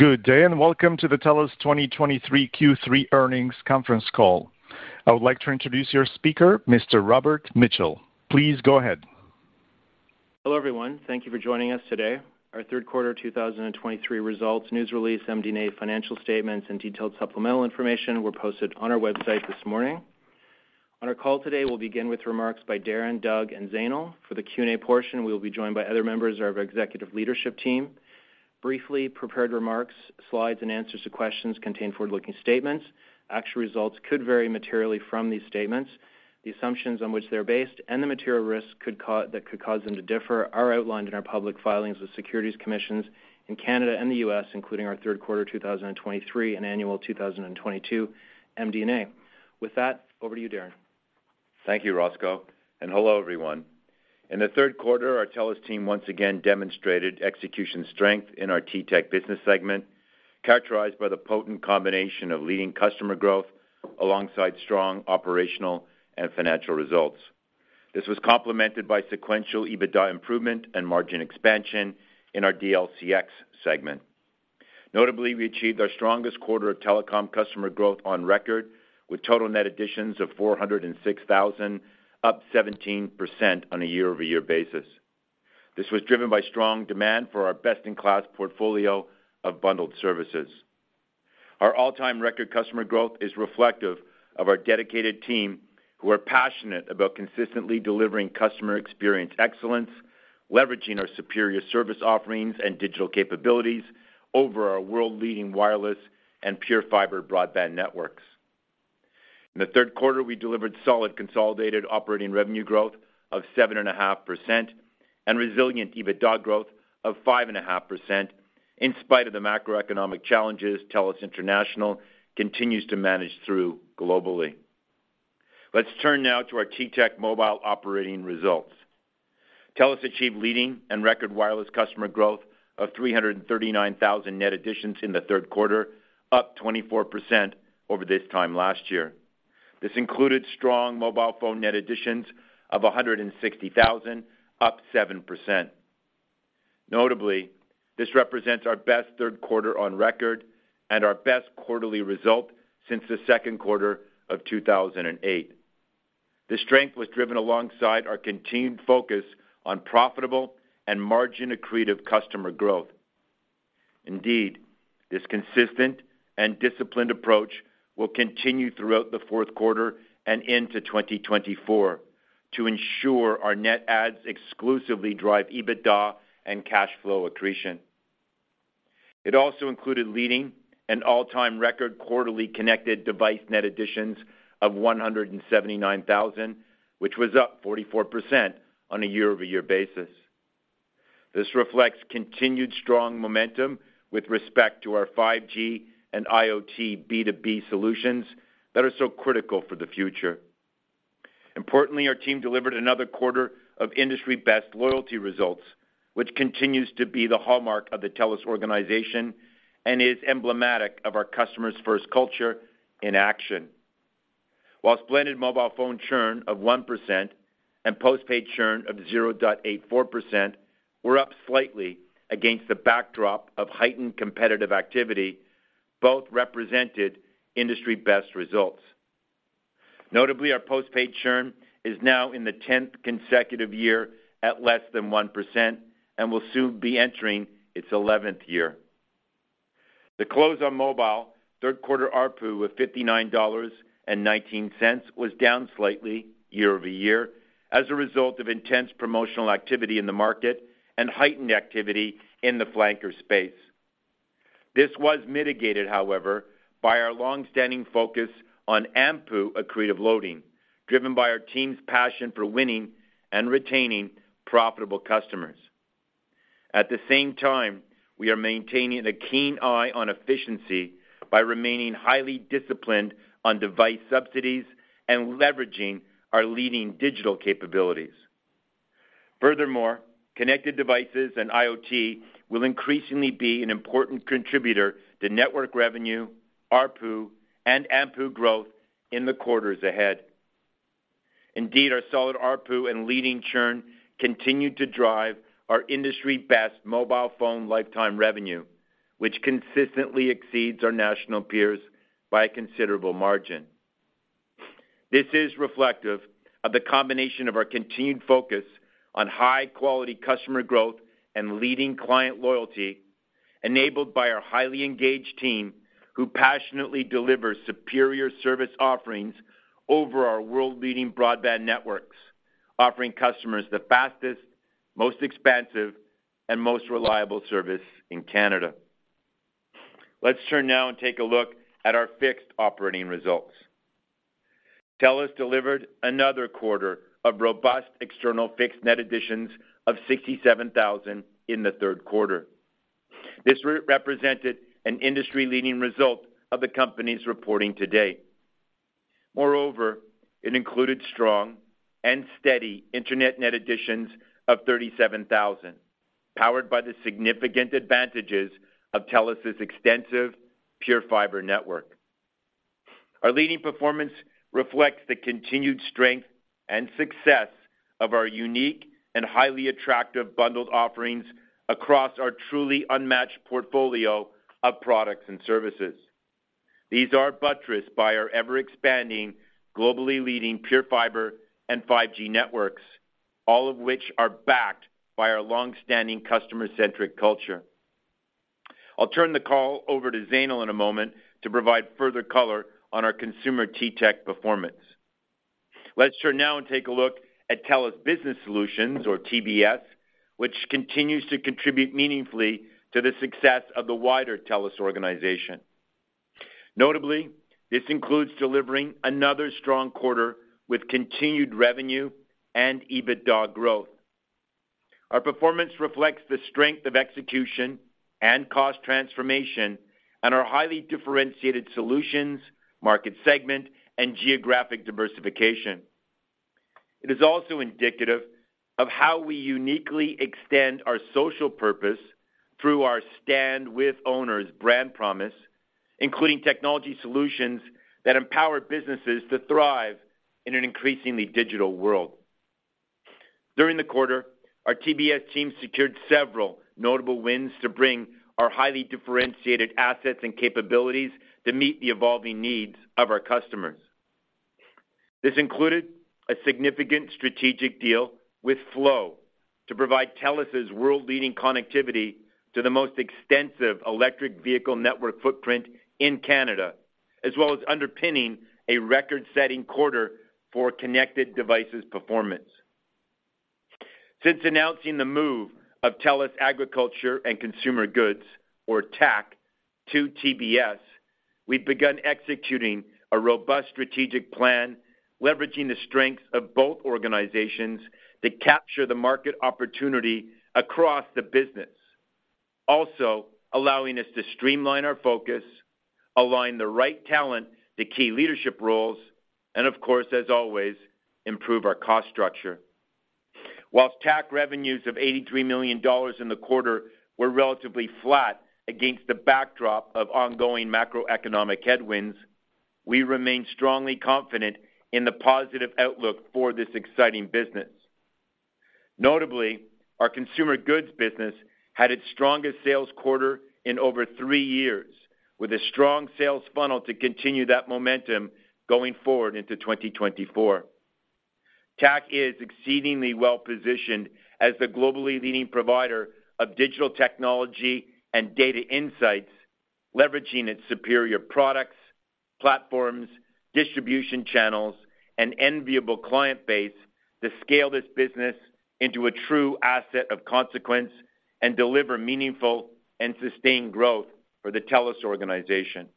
Good day, and welcome to the TELUS 2023 Q3 Earnings Conference Call. I would like to introduce your speaker, Mr. Robert Mitchell. Please go ahead. Hello, everyone. Thank you for joining us today. Our third quarter 2023 results, news release, MD&A financial statements, and detailed supplemental information were posted on our website this morning. On our call today, we'll begin with remarks by Darren, Doug, and Zainul. For the Q&A portion, we will be joined by other members of our executive leadership team. Briefly, prepared remarks, slides, and answers to questions contain forward-looking statements. Actual results could vary materially from these statements. The assumptions on which they're based and the material risks that could cause them to differ are outlined in our public filings with securities commissions in Canada and the U.S., including our third quarter 2023 and annual 2022 MD&A. With that, over to you, Darren. Thank you, Robert, and hello, everyone. In the third quarter, our TELUS team once again demonstrated execution strength in our T-Tech business segment, characterized by the potent combination of leading customer growth alongside strong operational and financial results. This was complemented by sequential EBITDA improvement and margin expansion in our DLCX segment. Notably, we achieved our strongest quarter of telecom customer growth on record, with total net additions of 406,000, up 17% on a year-over-year basis. This was driven by strong demand for our best-in-class portfolio of bundled services. Our all-time record customer growth is reflective of our dedicated team, who are passionate about consistently delivering customer experience excellence, leveraging our superior service offerings and digital capabilities over our world-leading wireless and PureFibre broadband networks. In the third quarter, we delivered solid consolidated operating revenue growth of 7.5% and resilient EBITDA growth of 5.5%. In spite of the macroeconomic challenges, TELUS International continues to manage through globally. Let's turn now to our T-Tech mobile operating results. TELUS achieved leading and record wireless customer growth of 339,000 net additions in the third quarter, up 24% over this time last year. This included strong mobile phone net additions of 160,000, up 7%. Notably, this represents our best third quarter on record and our best quarterly result since the second quarter of 2008. This strength was driven alongside our continued focus on profitable and margin-accretive customer growth. Indeed, this consistent and disciplined approach will continue throughout the fourth quarter and into 2024 to ensure our net adds exclusively drive EBITDA and cash flow accretion. It also included leading an all-time record quarterly connected device net additions of 179,000, which was up 44% on a year-over-year basis. This reflects continued strong momentum with respect to our 5G and IoT B2B solutions that are so critical for the future. Importantly, our team delivered another quarter of industry-best loyalty results, which continues to be the hallmark of the TELUS organization and is emblematic of our customer-first culture in action. While prepaid mobile phone churn of 1% and postpaid churn of 0.84% were up slightly against the backdrop of heightened competitive activity, both represented industry-best results. Notably, our postpaid churn is now in the tenth consecutive year at less than 1% and will soon be entering its 11th year. The close on mobile third quarter ARPU of 59.19 dollars was down slightly year-over-year as a result of intense promotional activity in the market and heightened activity in the flanker space. This was mitigated, however, by our long-standing focus on AMPU accretive loading, driven by our team's passion for winning and retaining profitable customers. At the same time, we are maintaining a keen eye on efficiency by remaining highly disciplined on device subsidies and leveraging our leading digital capabilities. Furthermore, connected devices and IoT will increasingly be an important contributor to network revenue, ARPU, and AMPU growth in the quarters ahead. Indeed, our solid ARPU and leading churn continued to drive our industry-best mobile phone lifetime revenue, which consistently exceeds our national peers by a considerable margin. This is reflective of the combination of our continued focus on high-quality customer growth and leading client loyalty, enabled by our highly engaged team, who passionately deliver superior service offerings over our world-leading broadband networks, offering customers the fastest, most expansive, and most reliable service in Canada. Let's turn now and take a look at our fixed operating results. TELUS delivered another quarter of robust external fixed net additions of 67,000 in the third quarter. This represented an industry-leading result of the companies reporting today. Moreover, it included strong and steady internet net additions of 37,000, powered by the significant advantages of TELUS's extensive PureFibre network.... Our leading performance reflects the continued strength and success of our unique and highly attractive bundled offerings across our truly unmatched portfolio of products and services. These are buttressed by our ever-expanding, globally leading PureFibre and 5G networks, all of which are backed by our long-standing customer-centric culture. I'll turn the call over to Zainul in a moment to provide further color on our consumer T-Tech performance. Let's turn now and take a look at TELUS Business Solutions, or TBS, which continues to contribute meaningfully to the success of the wider TELUS organization. Notably, this includes delivering another strong quarter with continued revenue and EBITDA growth. Our performance reflects the strength of execution and cost transformation and our highly differentiated solutions, market segment, and geographic diversification. It is also indicative of how we uniquely extend our social purpose through our Stand with Owners brand promise, including technology solutions that empower businesses to thrive in an increasingly digital world. During the quarter, our TBS team secured several notable wins to bring our highly differentiated assets and capabilities to meet the evolving needs of our customers. This included a significant strategic deal with Flow to provide TELUS' world-leading connectivity to the most extensive electric vehicle network footprint in Canada, as well as underpinning a record-setting quarter for connected devices performance. Since announcing the move of TELUS Agriculture & Consumer Goods, or TAC, to TBS, we've begun executing a robust strategic plan, leveraging the strengths of both organizations to capture the market opportunity across the business. Also, allowing us to streamline our focus, align the right talent to key leadership roles, and of course, as always, improve our cost structure. While TAC revenues of 83 million dollars in the quarter were relatively flat against the backdrop of ongoing macroeconomic headwinds, we remain strongly confident in the positive outlook for this exciting business. Notably, our consumer goods business had its strongest sales quarter in over 3 years, with a strong sales funnel to continue that momentum going forward into 2024. TAC is exceedingly well-positioned as the globally leading provider of digital technology and data insights, leveraging its superior products, platforms, distribution channels, and enviable client base to scale this business into a true asset of consequence and deliver meaningful and sustained growth for the TELUS organization.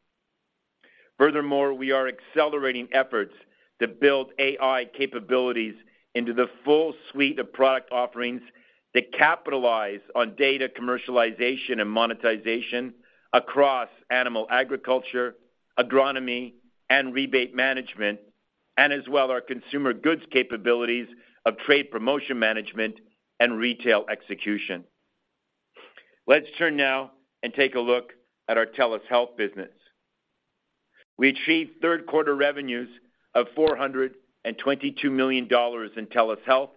Furthermore, we are accelerating efforts to build AI capabilities into the full suite of product offerings that capitalize on data commercialization and monetization across animal agriculture, agronomy, and rebate management, and as well, our consumer goods capabilities of trade promotion management and retail execution. Let's turn now and take a look at our TELUS Health business. We achieved third quarter revenues of 422 million dollars in TELUS Health,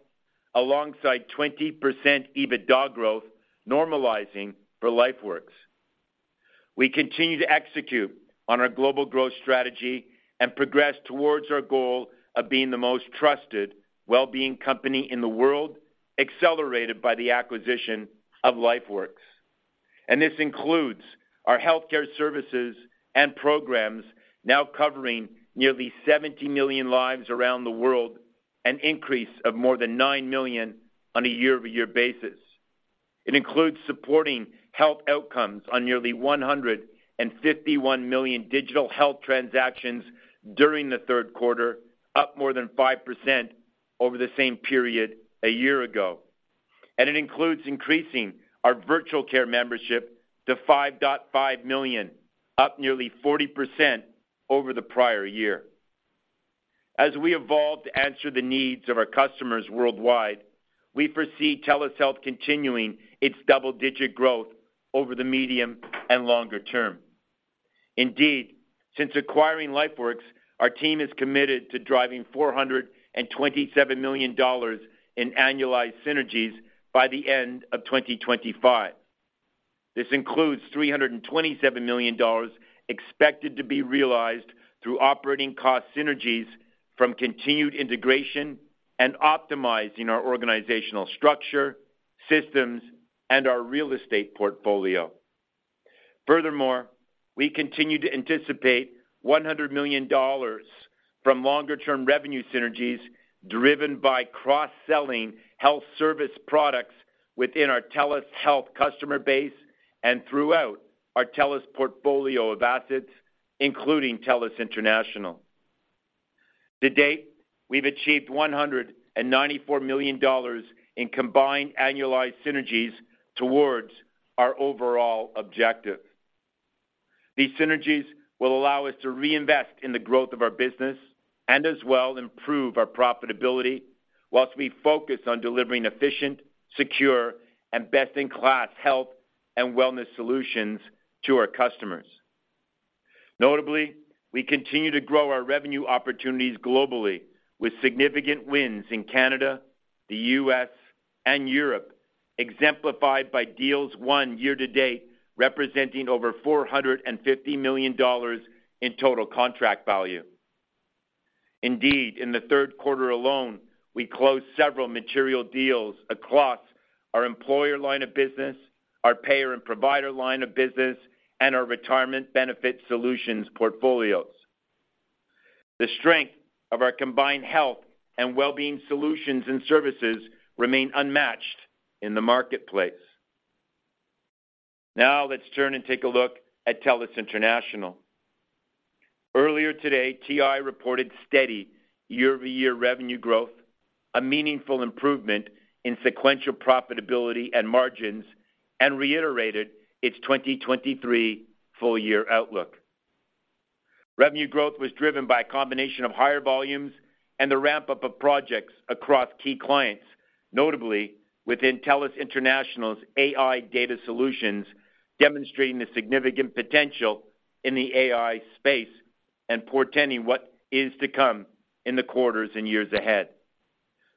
alongside 20% EBITDA growth, normalizing for LifeWorks. We continue to execute on our global growth strategy and progress towards our goal of being the most trusted wellbeing company in the world, accelerated by the acquisition of LifeWorks. And this includes our healthcare services and programs now covering nearly 70 million lives around the world, an increase of more than 9 million on a year-over-year basis. It includes supporting health outcomes on nearly 151 million digital health transactions during the third quarter, up more than 5% over the same period a year ago. It includes increasing our virtual care membership to 5.5 million, up nearly 40% over the prior year. As we evolve to answer the needs of our customers worldwide, we foresee TELUS Health continuing its double-digit growth over the medium and longer term. Indeed, since acquiring LifeWorks, our team is committed to driving 427 million dollars in annualized synergies by the end of 2025. This includes 327 million dollars expected to be realized through operating cost synergies from continued integration and optimizing our organizational structure, systems, and our real estate portfolio. Furthermore, we continue to anticipate 100 million dollars from longer-term revenue synergies driven by cross-selling health service products within our TELUS Health customer base and throughout our TELUS portfolio of assets, including TELUS International. To date, we've achieved 194 million dollars in combined annualized synergies towards our overall objective. These synergies will allow us to reinvest in the growth of our business and as well improve our profitability, whilst we focus on delivering efficient, secure, and best-in-class health and wellness solutions to our customers. Notably, we continue to grow our revenue opportunities globally with significant wins in Canada, the U.S., and Europe, exemplified by deals won year-to-date, representing over 450 million dollars in total contract value. Indeed, in the third quarter alone, we closed several material deals across our employer line of business, our payer and provider line of business, and our retirement benefit solutions portfolios. The strength of our combined health and well-being solutions and services remain unmatched in the marketplace. Now let's turn and take a look at TELUS International. Earlier today, TI reported steady year-over-year revenue growth, a meaningful improvement in sequential profitability and margins, and reiterated its 2023 full-year outlook. Revenue growth was driven by a combination of higher volumes and the ramp-up of projects across key clients, notably within TELUS International's AI data solutions, demonstrating the significant potential in the AI space and portending what is to come in the quarters and years ahead.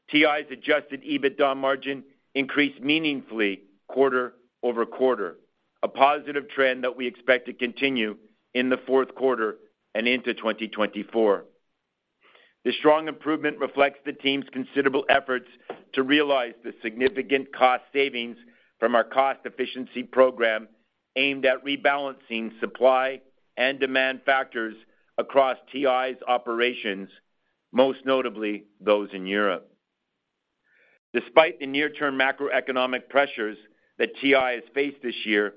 TI's adjusted EBITDA margin increased meaningfully quarter-over-quarter, a positive trend that we expect to continue in the fourth quarter and into 2024. The strong improvement reflects the team's considerable efforts to realize the significant cost savings from our cost efficiency program, aimed at rebalancing supply and demand factors across TI's operations, most notably those in Europe. Despite the near-term macroeconomic pressures that TI has faced this year,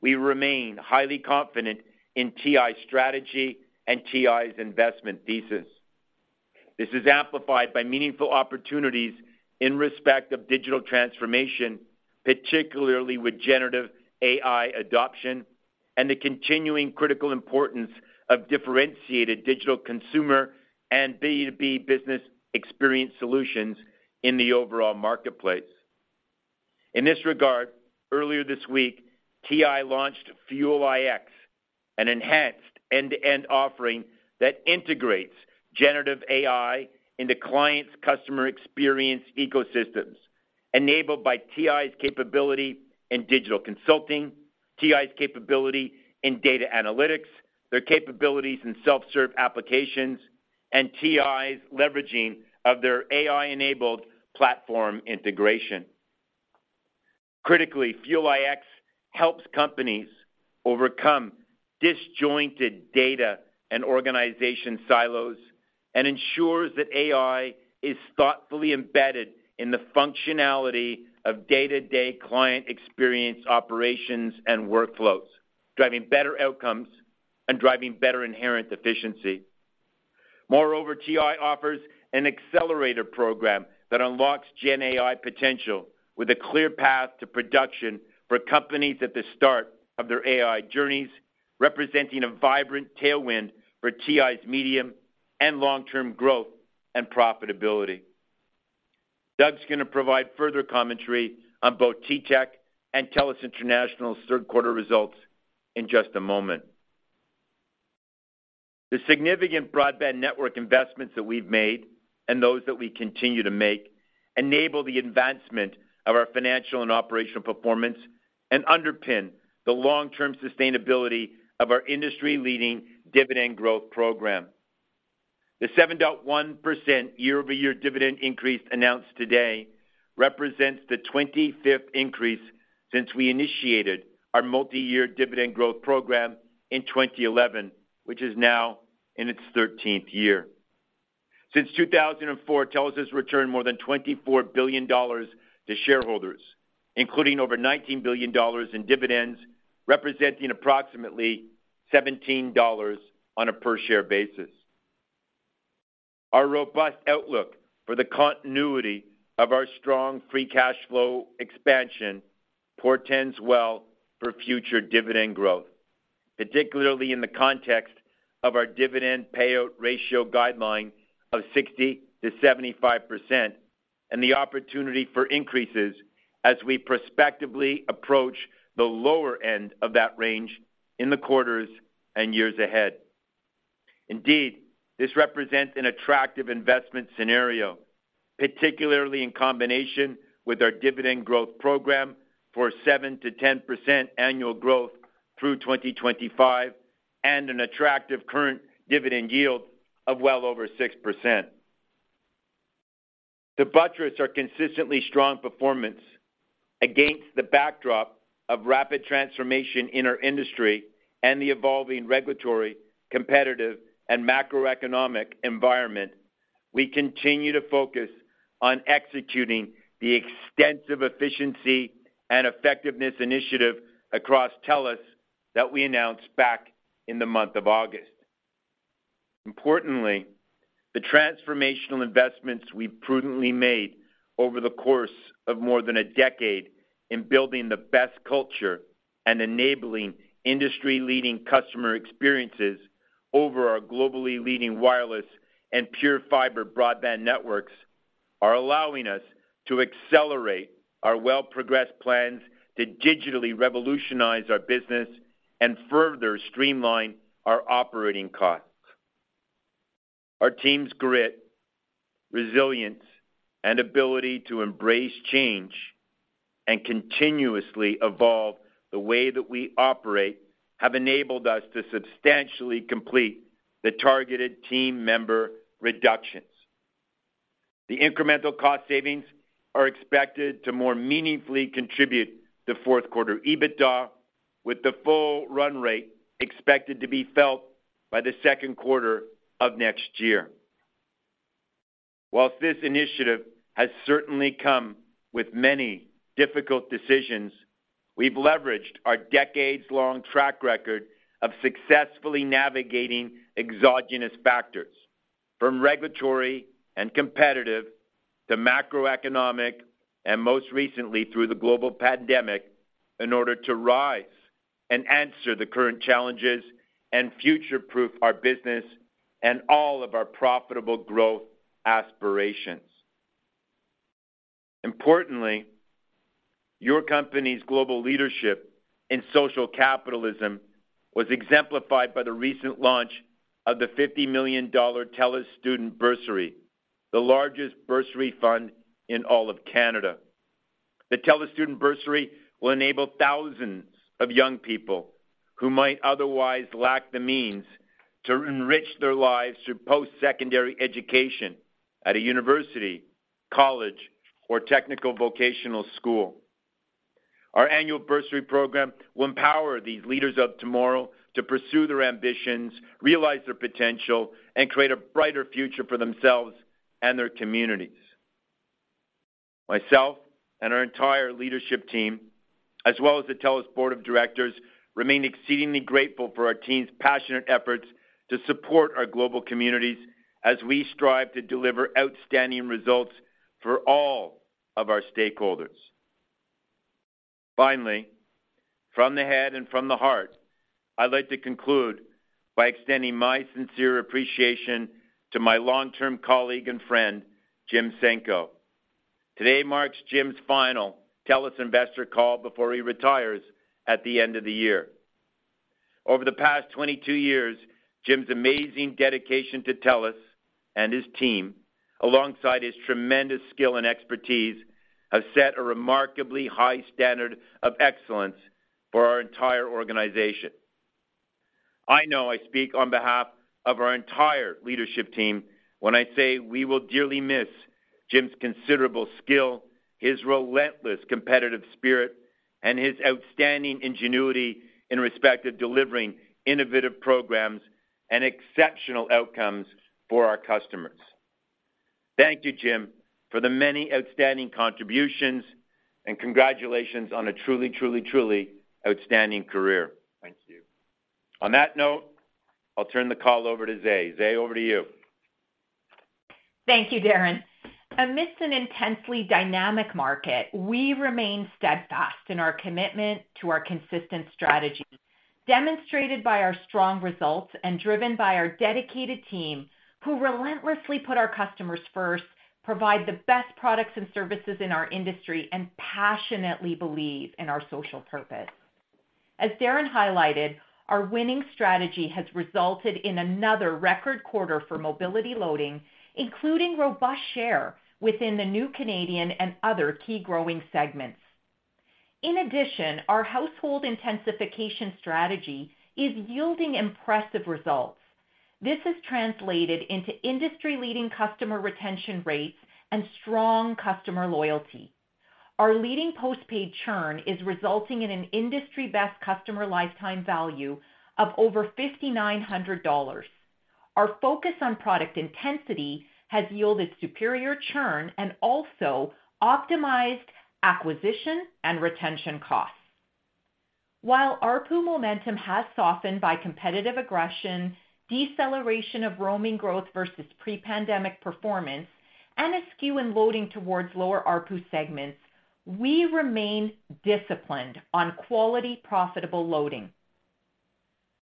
we remain highly confident in TI's strategy and TI's investment thesis. This is amplified by meaningful opportunities in respect of digital transformation, particularly with generative AI adoption and the continuing critical importance of differentiated digital consumer and B2B business experience solutions in the overall marketplace. In this regard, earlier this week, TI launched Fuel iX, an enhanced end-to-end offering that integrates generative AI into clients' customer experience ecosystems, enabled by TI's capability in digital consulting, TI's capability in data analytics, their capabilities in self-serve applications, and TI's leveraging of their AI-enabled platform integration. Critically, Fuel iX helps companies overcome disjointed data and organization silos and ensures that AI is thoughtfully embedded in the functionality of day-to-day client experience, operations, and workflows, driving better outcomes and driving better inherent efficiency. Moreover, TI offers an accelerator program that unlocks Gen AI potential with a clear path to production for companies at the start of their AI journeys, representing a vibrant tailwind for TI's medium and long-term growth and profitability. Doug's going to provide further commentary on both T-Tech and TELUS International's third quarter results in just a moment. The significant broadband network investments that we've made, and those that we continue to make, enable the advancement of our financial and operational performance and underpin the long-term sustainability of our industry-leading dividend growth program. The 7.1% year-over-year dividend increase announced today represents the 25th increase since we initiated our multiyear dividend growth program in 2011, which is now in its 13th year. Since 2004, TELUS has returned more than 24 billion dollars to shareholders, including over 19 billion dollars in dividends, representing approximately 17 dollars on a per-share basis. Our robust outlook for the continuity of our strong free cash flow expansion portends well for future dividend growth, particularly in the context of our dividend payout ratio guideline of 60%-75%, and the opportunity for increases as we prospectively approach the lower end of that range in the quarters and years ahead. Indeed, this represents an attractive investment scenario, particularly in combination with our dividend growth program for 7%-10% annual growth through 2025, and an attractive current dividend yield of well over 6%. To buttress our consistently strong performance against the backdrop of rapid transformation in our industry and the evolving regulatory, competitive, and macroeconomic environment, we continue to focus on executing the extensive efficiency and effectiveness initiative across TELUS that we announced back in the month of August. Importantly, the transformational investments we prudently made over the course of more than a decade in building the best culture and enabling industry-leading customer experiences over our globally leading wireless and pure fiber broadband networks are allowing us to accelerate our well-progressed plans to digitally revolutionize our business and further streamline our operating costs. Our team's grit, resilience, and ability to embrace change and continuously evolve the way that we operate have enabled us to substantially complete the targeted team member reductions. The incremental cost savings are expected to more meaningfully contribute to fourth quarter EBITDA, with the full run rate expected to be felt by the second quarter of next year. While this initiative has certainly come with many difficult decisions, we've leveraged our decades-long track record of successfully navigating exogenous factors, from regulatory and competitive to macroeconomic, and most recently, through the global pandemic, in order to rise and answer the current challenges and future-proof our business and all of our profitable growth aspirations. Importantly, your company's global leadership in social capitalism was exemplified by the recent launch of the 50 million dollar TELUS Student Bursary, the largest bursary fund in all of Canada. The TELUS Student Bursary will enable thousands of young people who might otherwise lack the means to enrich their lives through postsecondary education at a university, college, or technical vocational school. Our annual bursary program will empower these leaders of tomorrow to pursue their ambitions, realize their potential, and create a brighter future for themselves and their communities. Myself and our entire leadership team, as well as the TELUS Board of Directors, remain exceedingly grateful for our team's passionate efforts to support our global communities as we strive to deliver outstanding results for all of our stakeholders. Finally, from the head and from the heart, I'd like to conclude by extending my sincere appreciation to my long-term colleague and friend, Jim Senko. Today marks Jim's final TELUS investor call before he retires at the end of the year. Over the past 22 years, Jim's amazing dedication to TELUS and his team, alongside his tremendous skill and expertise, have set a remarkably high standard of excellence for our entire organization. I know I speak on behalf of our entire leadership team when I say we will dearly miss Jim's considerable skill, his relentless competitive spirit, and his outstanding ingenuity in respect of delivering innovative programs and exceptional outcomes for our customers. Thank you, Jim, for the many outstanding contributions, and congratulations on a truly, truly, truly outstanding career. Thank you. On that note, I'll turn the call over to Zainul. Zainul, over to you. Thank you, Darren. Amidst an intensely dynamic market, we remain steadfast in our commitment to our consistent strategy, demonstrated by our strong results and driven by our dedicated team, who relentlessly put our customers first, provide the best products and services in our industry, and passionately believe in our social purpose. As Darren highlighted, our winning strategy has resulted in another record quarter for mobility loading, including robust share within the new Canadian and other key growing segments. In addition, our household intensification strategy is yielding impressive results. This has translated into industry-leading customer retention rates and strong customer loyalty. Our leading postpaid churn is resulting in an industry-best customer lifetime value of over 5,900 dollars. Our focus on product intensity has yielded superior churn and also optimized acquisition and retention costs. While ARPU momentum has softened by competitive aggression, deceleration of roaming growth versus pre-pandemic performance, and a skew in loading towards lower ARPU segments, we remain disciplined on quality, profitable loading.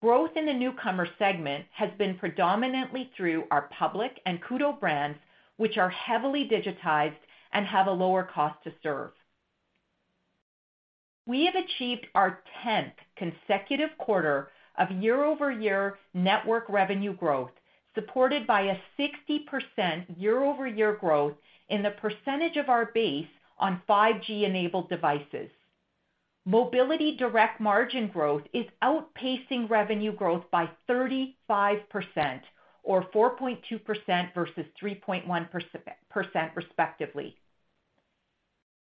Growth in the newcomer segment has been predominantly through our Public and Koodo brands, which are heavily digitized and have a lower cost to serve. We have achieved our 10th consecutive quarter of year-over-year network revenue growth, supported by a 60% year-over-year growth in the percentage of our base on 5G-enabled devices. Mobility direct margin growth is outpacing revenue growth by 35% or 4.2% versus 3.1%, respectively.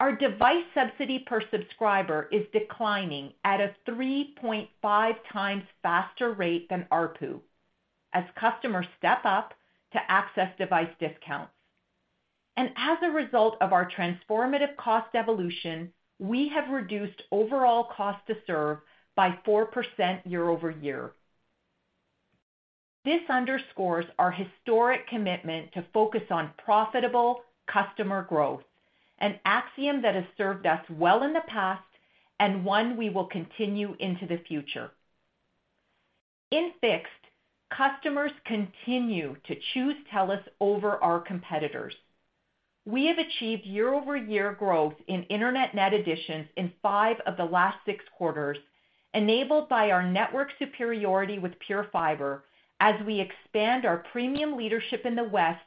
Our device subsidy per subscriber is declining at a 3.5 times faster rate than ARPU as customers step up to access device discounts. As a result of our transformative cost evolution, we have reduced overall cost to serve by 4% year-over-year. This underscores our historic commitment to focus on profitable customer growth, an axiom that has served us well in the past and one we will continue into the future. In Fixed, customers continue to choose TELUS over our competitors. We have achieved year-over-year growth in internet net additions in five of the last six quarters, enabled by our network superiority with PureFibre as we expand our premium leadership in the West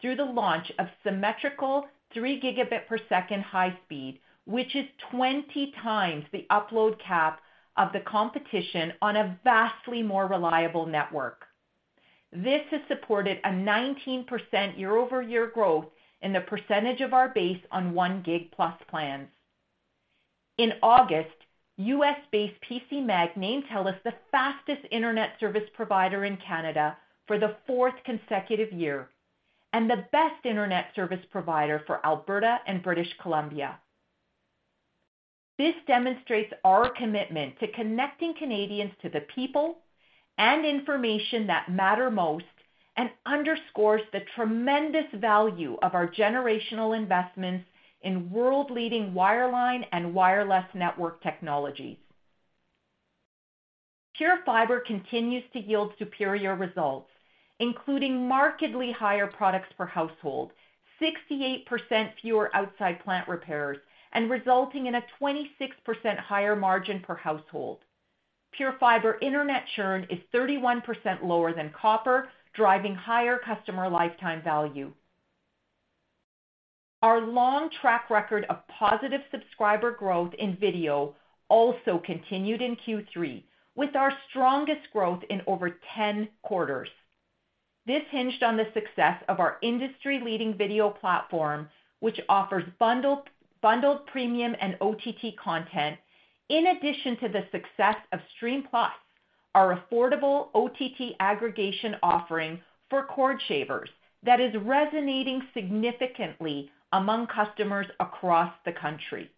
through the launch of symmetrical 3 gigabit per second high speed, which is 20 times the upload cap of the competition on a vastly more reliable network. This has supported a 19% year-over-year growth in the percentage of our base on 1Gb+ plans. In August, U.S.-based PCMag named TELUS the fastest internet service provider in Canada for the fourth consecutive year, and the best internet service provider for Alberta and British Columbia. This demonstrates our commitment to connecting Canadians to the people and information that matter most, and underscores the tremendous value of our generational investments in world-leading wireline and wireless network technologies. PureFibre continues to yield superior results, including markedly higher products per household, 68% fewer outside plant repairs, and resulting in a 26% higher margin per household. PureFibre internet churn is 31% lower than copper, driving higher customer lifetime value. Our long track record of positive subscriber growth in video also continued in Q3, with our strongest growth in over 10 quarters. This hinged on the success of our industry-leading video platform, which offers bundled premium and OTT content, in addition to the success of Stream+, our affordable OTT aggregation offering for cord shavers that is resonating significantly among customers across the country.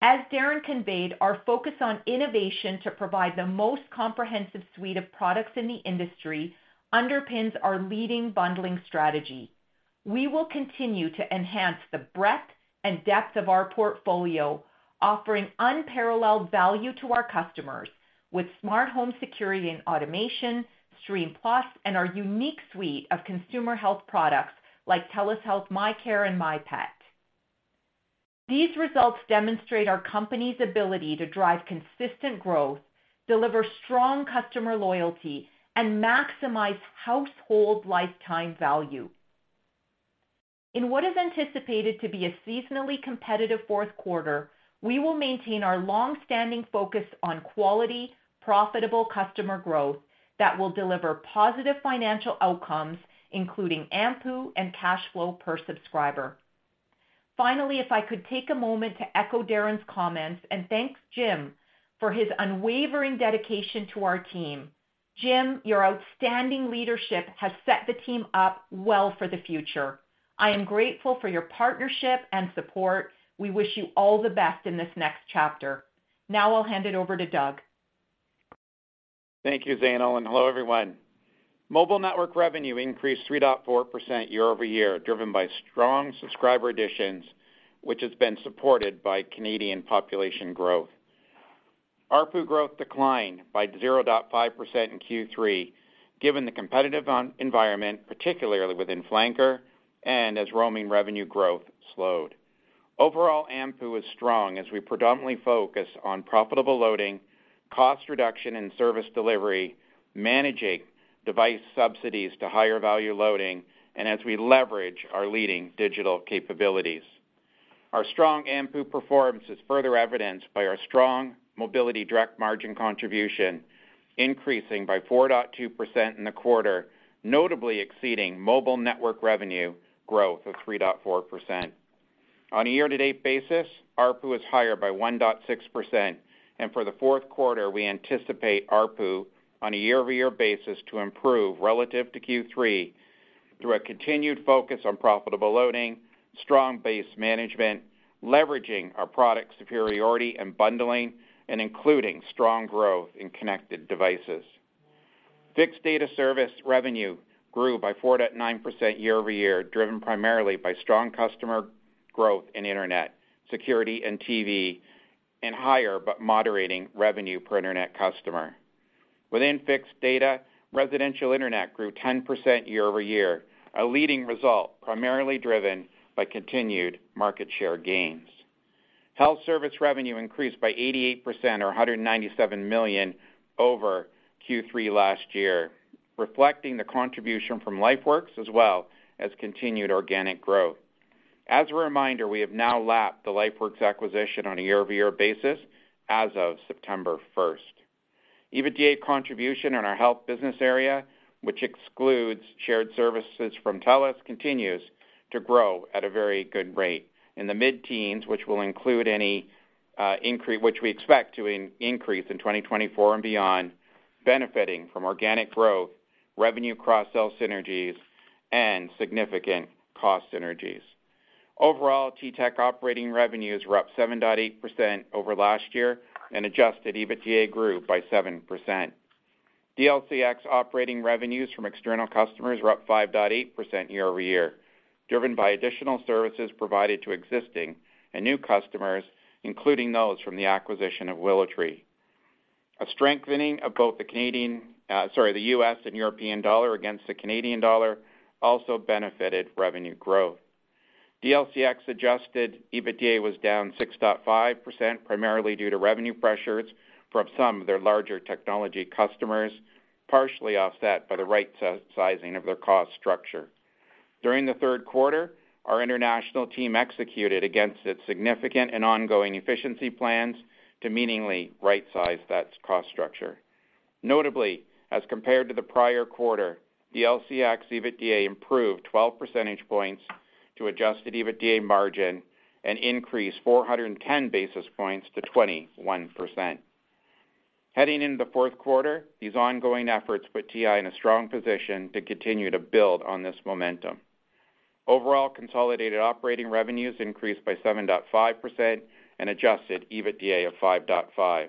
As Darren conveyed, our focus on innovation to provide the most comprehensive suite of products in the industry underpins our leading bundling strategy. We will continue to enhance the breadth and depth of our portfolio, offering unparalleled value to our customers with smart home security and automation, Stream+, and our unique suite of consumer health products like TELUS Health MyCare and MyPet. These results demonstrate our company's ability to drive consistent growth, deliver strong customer loyalty, and maximize household lifetime value. In what is anticipated to be a seasonally competitive fourth quarter, we will maintain our long-standing focus on quality, profitable customer growth that will deliver positive financial outcomes, including AMPU and cash flow per subscriber. Finally, if I could take a moment to echo Darren's comments and thank Jim for his unwavering dedication to our team. Jim, your outstanding leadership has set the team up well for the future. I am grateful for your partnership and support. We wish you all the best in this next chapter. Now I'll hand it over to Doug. Thank you, Zainul, and hello, everyone. Mobile network revenue increased 3.4% year-over-year, driven by strong subscriber additions, which has been supported by Canadian population growth. ARPU growth declined by 0.5% in Q3, given the competitive environment, particularly within Flanker and as roaming revenue growth slowed. Overall, AMPU is strong as we predominantly focus on profitable loading, cost reduction, and service delivery, managing device subsidies to higher value loading, and as we leverage our leading digital capabilities. Our strong AMPU performance is further evidenced by our strong mobility direct margin contribution, increasing by 4.2% in the quarter, notably exceeding mobile network revenue growth of 3.4%. On a year-to-date basis, ARPU is higher by 1.6%, and for the fourth quarter, we anticipate ARPU on a year-over-year basis to improve relative to Q3 through a continued focus on profitable loading, strong base management, leveraging our product superiority and bundling, and including strong growth in connected devices. Fixed data service revenue grew by 4.9% year-over-year, driven primarily by strong customer growth in internet, security, and TV, and higher but moderating revenue per internet customer. Within fixed data, residential internet grew 10% year-over-year, a leading result primarily driven by continued market share gains. Health service revenue increased by 88% or 197 million over Q3 last year, reflecting the contribution from LifeWorks as well as continued organic growth. As a reminder, we have now lapped the LifeWorks acquisition on a year-over-year basis as of September 1st. EBITDA contribution in our health business area, which excludes shared services from TELUS, continues to grow at a very good rate in the mid-teens, which will include any increase, which we expect to increase in 2024 and beyond, benefiting from organic growth, revenue cross-sell synergies, and significant cost synergies. Overall, T-Tech operating revenues were up 7.8% over last year, and adjusted EBITDA grew by 7%. DLCX operating revenues from external customers were up 5.8% year-over-year, driven by additional services provided to existing and new customers, including those from the acquisition of WillowTree. A strengthening of both the Canadian, the US and European dollar against the Canadian dollar also benefited revenue growth. DLCX adjusted EBITDA was down 6.5%, primarily due to revenue pressures from some of their larger technology customers, partially offset by the right-sizing of their cost structure. During the third quarter, our international team executed against its significant and ongoing efficiency plans to meaningfully right-size that cost structure. Notably, as compared to the prior quarter, DLCX EBITDA improved 12 percentage points to adjusted EBITDA margin, and increased 410 basis points to 21%. Heading into the fourth quarter, these ongoing efforts put TI in a strong position to continue to build on this momentum. Overall, consolidated operating revenues increased by 7.5% and adjusted EBITDA of 5.5%.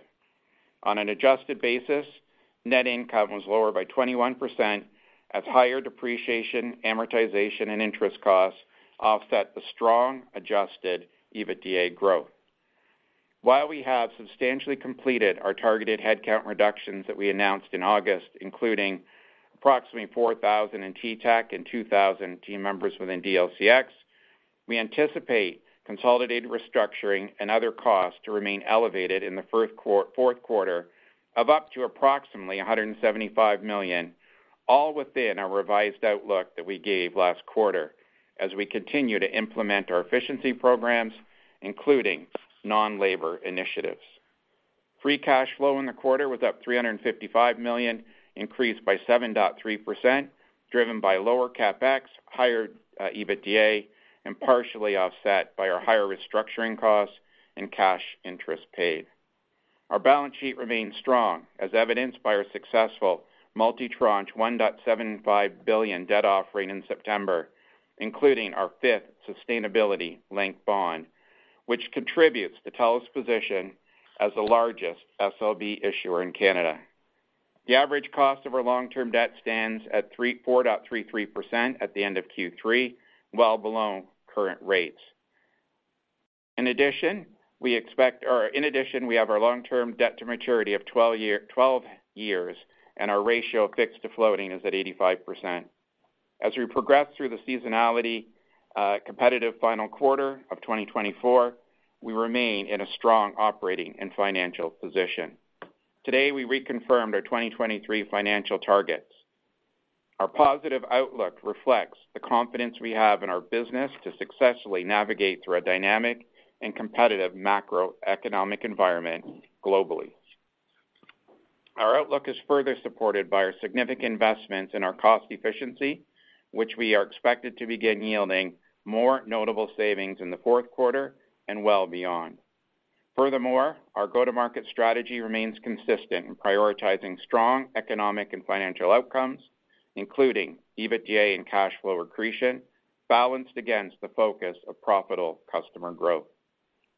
On an adjusted basis, net income was lower by 21%, as higher depreciation, amortization, and interest costs offset the strong adjusted EBITDA growth. While we have substantially completed our targeted headcount reductions that we announced in August, including approximately 4,000 in T-Tech and 2,000 team members within DLCX, we anticipate consolidated restructuring and other costs to remain elevated in the fourth quarter of up to approximately 175 million, all within our revised outlook that we gave last quarter, as we continue to implement our efficiency programs, including non-labor initiatives. Free cash flow in the quarter was up 355 million, increased by 7.3%, driven by lower CapEx, higher EBITDA, and partially offset by our higher restructuring costs and cash interest paid. Our balance sheet remains strong, as evidenced by our successful multi-tranche 1.75 billion debt offering in September, including our fifth sustainability-linked bond, which contributes to TELUS's position as the largest SLB issuer in Canada. The average cost of our long-term debt stands at 4.33% at the end of Q3, well below current rates. In addition, we have our long-term debt to maturity of 12 years, and our ratio of fixed to floating is at 85%. As we progress through the seasonality, competitive final quarter of 2024, we remain in a strong operating and financial position. Today, we reconfirmed our 2023 financial targets. Our positive outlook reflects the confidence we have in our business to successfully navigate through a dynamic and competitive macroeconomic environment globally. Our outlook is further supported by our significant investments in our cost efficiency, which we are expected to begin yielding more notable savings in the fourth quarter and well beyond. Furthermore, our go-to-market strategy remains consistent in prioritizing strong economic and financial outcomes, including EBITDA and cash flow accretion, balanced against the focus of profitable customer growth.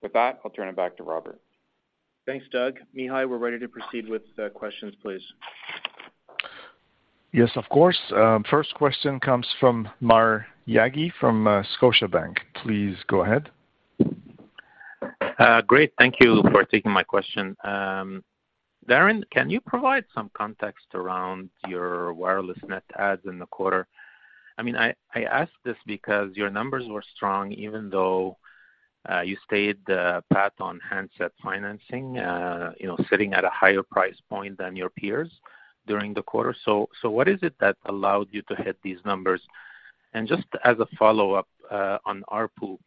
With that, I'll turn it back to Robert. Thanks, Doug. Mihai, we're ready to proceed with questions, please. Yes, of course. First question comes from Maher Yaghi from Scotiabank. Please go ahead. Great. Thank you for taking my question. Darren, can you provide some context around your wireless net adds in the quarter? I mean, I ask this because your numbers were strong, even though, you stayed the path on handset financing, you know, sitting at a higher price point than your peers during the quarter. So, what is it that allowed you to hit these numbers? And just as a follow-up, on ARPU,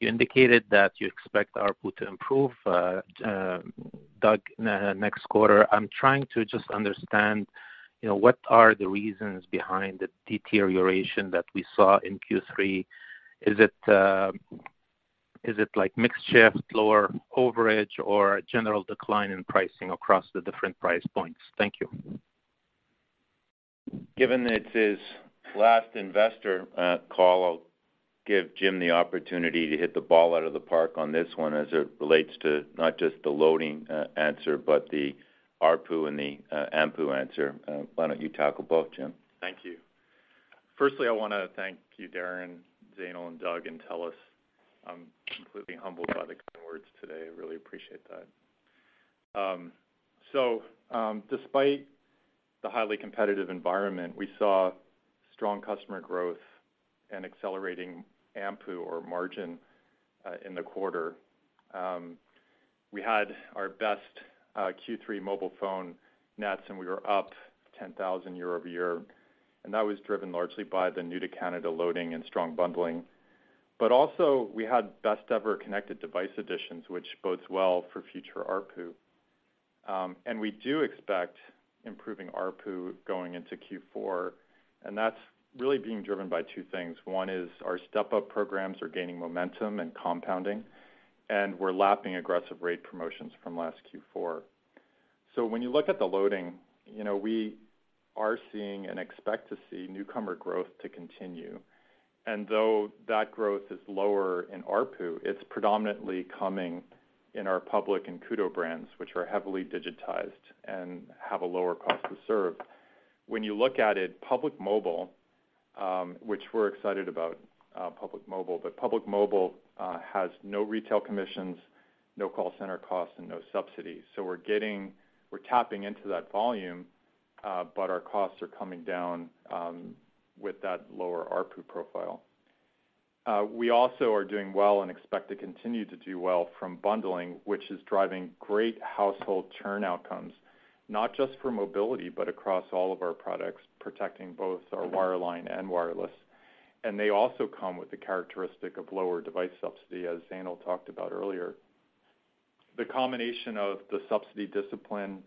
you indicated that you expect ARPU to improve, Doug, next quarter. I'm trying to just understand, you know, what are the reasons behind the deterioration that we saw in Q3? Is it, is it like mix shift, lower overage, or a general decline in pricing across the different price points? Thank you. Given that it's his last investor call, I'll give Jim the opportunity to hit the ball out of the park on this one as it relates to not just the loading answer, but the ARPU and the AMPU answer. Why don't you tackle both, Jim? Thank you. Firstly, I want to thank you, Darren, Zainul, and Doug, and TELUS. I'm completely humbled by the kind words today. I really appreciate that. Despite the highly competitive environment, we saw strong customer growth and accelerating AMPU or margin in the quarter. We had our best Q3 mobile phone nets, and we were up 10,000 year-over-year, and that was driven largely by the new to Canada loading and strong bundling. Also, we had best-ever connected device additions, which bodes well for future ARPU. We do expect improving ARPU going into Q4, and that's really being driven by two things. One is our step-up programs are gaining momentum and compounding, and we're lapping aggressive rate promotions from last Q4. When you look at the loading, you know, we are seeing and expect to see newcomer growth to continue. And though that growth is lower in ARPU, it's predominantly coming in our Public and Koodo brands, which are heavily digitized and have a lower cost to serve. When you look at it, Public Mobile, which we're excited about, but Public Mobile has no retail commissions, no call center costs, and no subsidies. So we're getting, we're tapping into that volume, but our costs are coming down with that lower ARPU profile. We also are doing well and expect to continue to do well from bundling, which is driving great household churn outcomes, not just for mobility, but across all of our products, protecting both our wireline and wireless. They also come with the characteristic of lower device subsidy, as Zainul talked about earlier. The combination of the subsidy discipline,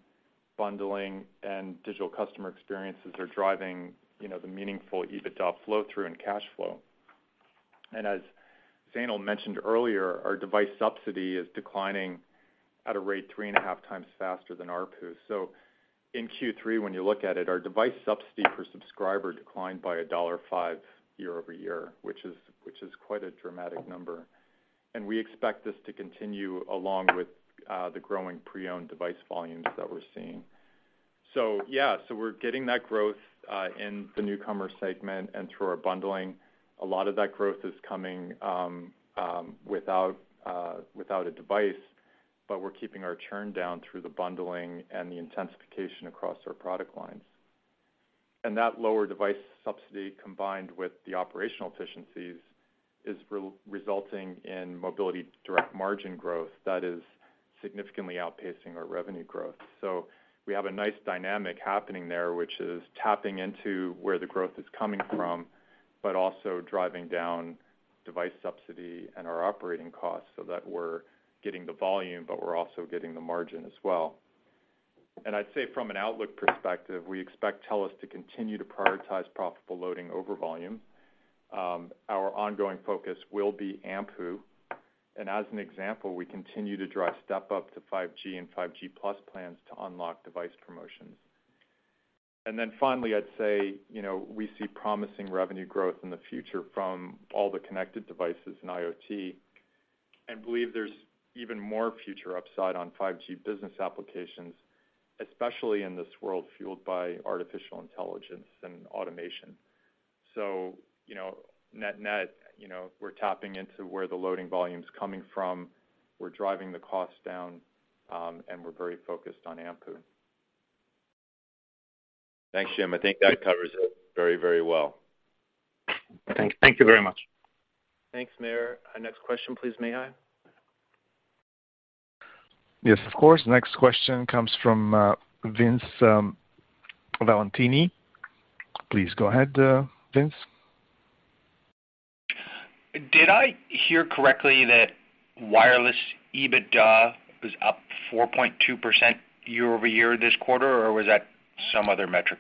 bundling, and digital customer experiences are driving, you know, the meaningful EBITDA flow through and cash flow. As Zainul mentioned earlier, our device subsidy is declining at a rate 3.5 times faster than ARPU. In Q3, when you look at it, our device subsidy per subscriber declined by dollar 1.5 year-over-year, which is quite a dramatic number. We expect this to continue along with the growing pre-owned device volumes that we're seeing. So yeah, so we're getting that growth in the newcomer segment and through our bundling. A lot of that growth is coming without a device, but we're keeping our churn down through the bundling and the intensification across our product lines. And that lower device subsidy, combined with the operational efficiencies, is resulting in mobility direct margin growth that is significantly outpacing our revenue growth. So we have a nice dynamic happening there, which is tapping into where the growth is coming from, but also driving down device subsidy and our operating costs so that we're getting the volume, but we're also getting the margin as well. And I'd say from an outlook perspective, we expect TELUS to continue to prioritize profitable loading over volume. Our ongoing focus will be AMPU, and as an example, we continue to drive step up to 5G and 5G+ plans to unlock device promotions. And then finally, I'd say, you know, we see promising revenue growth in the future from all the connected devices in IoT, and believe there's even more future upside on 5G business applications, especially in this world, fueled by artificial intelligence and automation. So, you know, net, net, you know, we're tapping into where the loading volume is coming from, we're driving the costs down, and we're very focused on AMPU. Thanks, Jim. I think that covers it very, very well. Thank you very much. Thanks, Maher. Our next question, please, Mihai. Yes, of course. Next question comes from, Vince, Valentini. Please go ahead, Vince. Did I hear correctly that wireless EBITDA was up 4.2% year-over-year this quarter, or was that some other metric?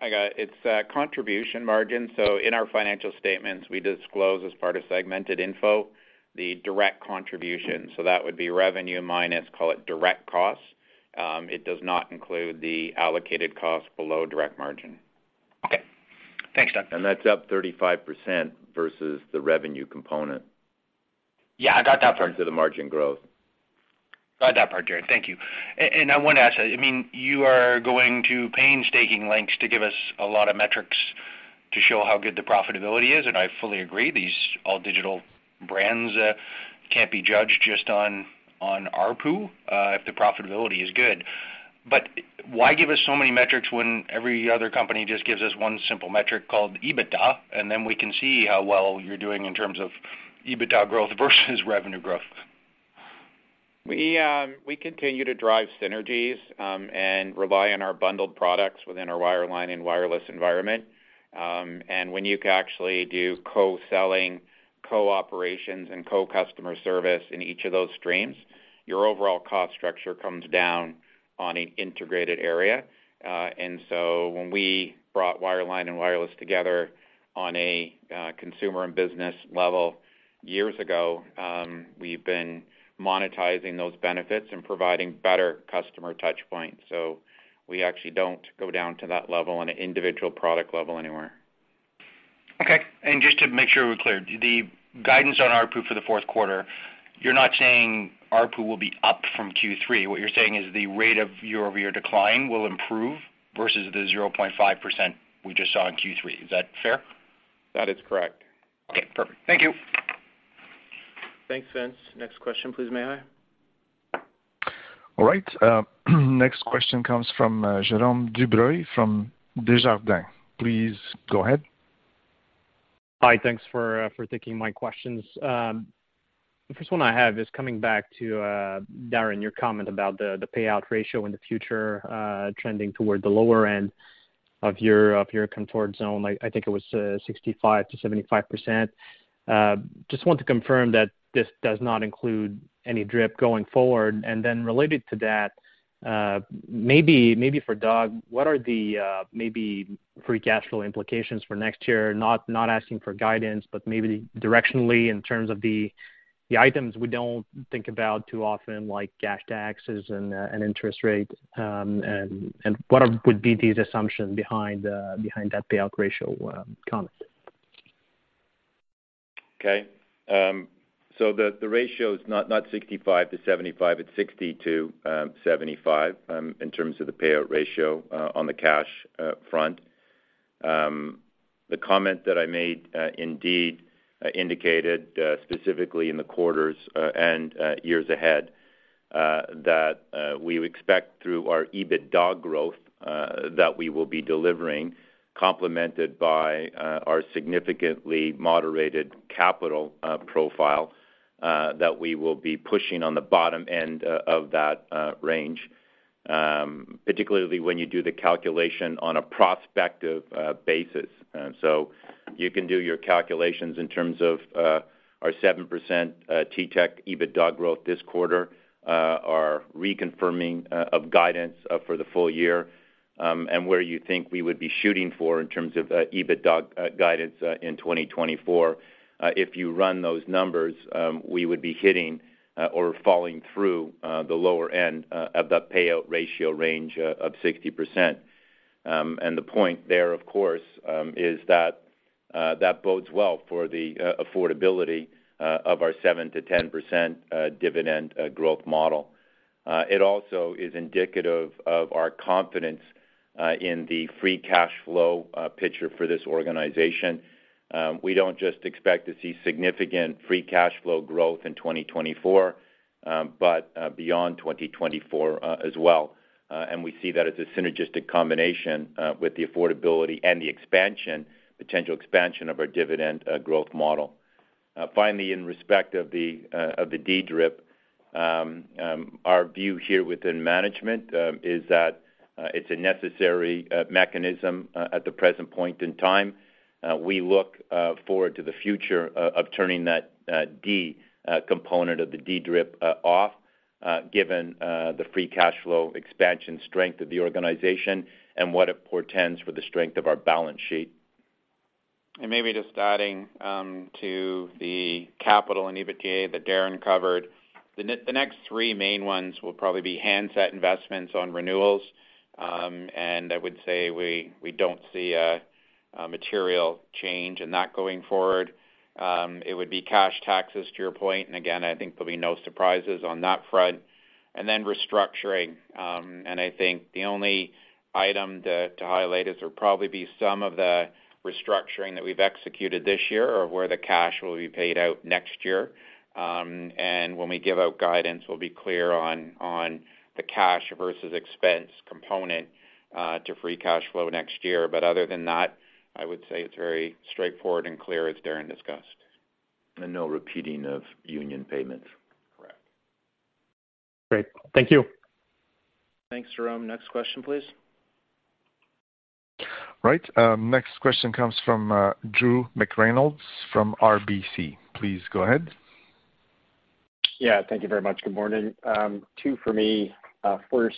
I got it. It's a contribution margin. So in our financial statements, we disclose, as part of segmented info, the direct contribution. So that would be revenue minus, call it, direct costs. It does not include the allocated costs below direct margin. Okay. Thanks, Doug. That's up 35% versus the revenue component. Yeah, I got that part. In terms of the margin growth. Got that part, Darren. Thank you. I want to ask, I mean, you are going to painstaking lengths to give us a lot of metrics to show how good the profitability is, and I fully agree, these all digital brands can't be judged just on ARPU, if the profitability is good. But why give us so many metrics when every other company just gives us one simple metric called EBITDA, and then we can see how well you're doing in terms of EBITDA growth versus revenue growth? We, we continue to drive synergies, and rely on our bundled products within our wireline and wireless environment. And when you can actually do co-selling, co-operations, and co-customer service in each of those streams, your overall cost structure comes down on an integrated area. And so when we brought wireline and wireless together on a, consumer and business level years ago, we've been monetizing those benefits and providing better customer touchpoints. So we actually don't go down to that level on an individual product level anywhere. Okay. Just to make sure we're clear, the guidance on ARPU for the fourth quarter, you're not saying ARPU will be up from Q3. What you're saying is the rate of year-over-year decline will improve versus the 0.5% we just saw in Q3. Is that fair? That is correct. Okay, perfect. Thank you. Thanks, Vince. Next question, please, Mihai. All right, next question comes from Jérôme Dubreuil from Desjardins. Please go ahead. Hi, thanks for taking my questions. The first one I have is coming back to Darren, your comment about the payout ratio in the future trending toward the lower end of your comfort zone. I think it was 65%-75%. Just want to confirm that this does not include any DRIP going forward. And then related to that, maybe for Doug, what are the maybe free cash flow implications for next year? Not asking for guidance, but maybe directionally in terms of the... The items we don't think about too often, like cash taxes and interest rate, and what would be the assumption behind that payout ratio comment? Okay. So the ratio is not 65%-75%, it's 60%-75% in terms of the payout ratio on the cash front. The comment that I made indeed indicated specifically in the quarters and years ahead that we would expect through our EBITDA growth that we will be delivering, complemented by our significantly moderated capital profile, that we will be pushing on the bottom end of that range, particularly when you do the calculation on a prospective basis. So you can do your calculations in terms of our 7% T-Tech EBITDA growth this quarter, our reconfirming of guidance for the full year, and where you think we would be shooting for in terms of EBITDA guidance in 2024. If you run those numbers, we would be hitting or falling through the lower end of that payout ratio range of 60%. And the point there, of course, is that that bodes well for the affordability of our 7%-10% dividend growth model. It also is indicative of our confidence in the free cash flow picture for this organization. We don't just expect to see significant free cash flow growth in 2024, but beyond 2024 as well. And we see that as a synergistic combination with the affordability and the expansion, potential expansion of our dividend growth model. Finally, in respect of the DDRIP, our view here within management is that it's a necessary mechanism at the present point in time. We look forward to the future of turning that D component of the DDRIP off, given the free cash flow expansion strength of the organization and what it portends for the strength of our balance sheet. Maybe just adding to the CapEx and EBITDA that Darren covered. The next three main ones will probably be handset investments on renewals, and I would say we don't see a material change in that going forward. It would be cash taxes, to your point, and again, I think there'll be no surprises on that front. And then restructuring, and I think the only item to highlight is there will probably be some of the restructuring that we've executed this year, or where the cash will be paid out next year. And when we give out guidance, we'll be clear on the cash versus expense component to free cash flow next year. But other than that, I would say it's very straightforward and clear, as Darren discussed. No repeating of union payments. Correct. Great. Thank you. Thanks, Jérôme. Next question, please. Right, next question comes from Drew McReynolds from RBC. Please go ahead. Yeah, thank you very much. Good morning. Two for me. First,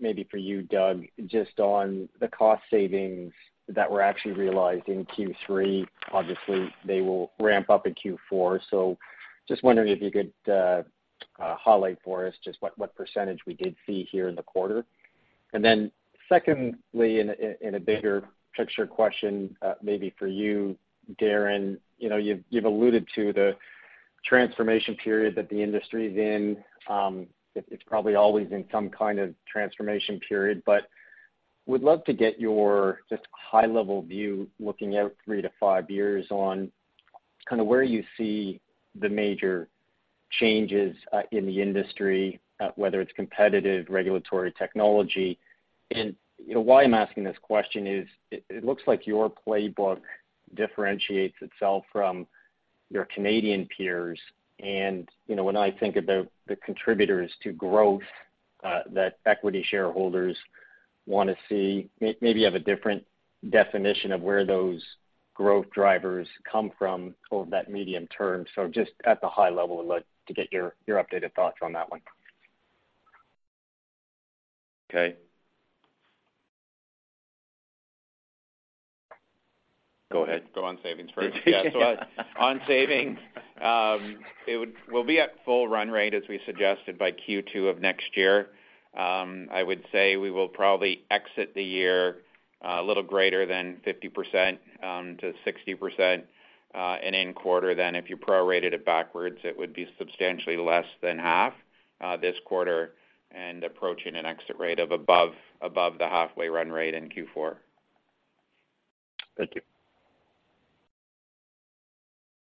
maybe for you, Doug, just on the cost savings that were actually realized in Q3, obviously, they will ramp up in Q4. So just wondering if you could highlight for us just what, what percentage we did see here in the quarter. And then secondly, in a bigger picture question, maybe for you, Darren, you know, you've, you've alluded to the transformation period that the industry is in. It, it's probably always in some kind of transformation period, but would love to get your just high-level view, looking out three to five years on kind of where you see the major changes, in the industry, whether it's competitive, regulatory, technology. You know, why I'm asking this question is, it looks like your playbook differentiates itself from your Canadian peers. You know, when I think about the contributors to growth, that equity shareholders wanna see, maybe you have a different definition of where those growth drivers come from over that medium term. So just at the high level, I'd like to get your updated thoughts on that one. Okay. Go ahead. Go on savings first. Yeah, so on savings, we'll be at full run rate, as we suggested, by Q2 of next year. I would say we will probably exit the year a little greater than 50%-60% and in quarter. Then if you prorated it backwards, it would be substantially less than half this quarter, and approaching an exit rate of above the halfway run rate in Q4. Thank you.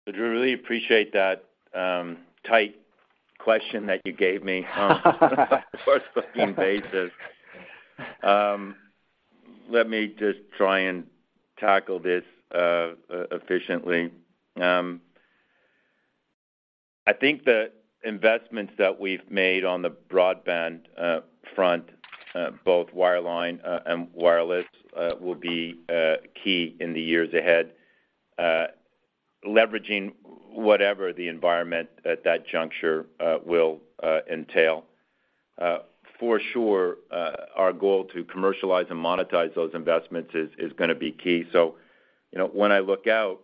So Drew, really appreciate that, tight question that you gave me, across the basis. Let me just try and tackle this, efficiently. I think the investments that we've made on the broadband, front, both wireline, and wireless, will be, key in the years ahead, leveraging whatever the environment at that juncture, will, entail. For sure, our goal to commercialize and monetize those investments is, going to be key. So, you know, when I look out,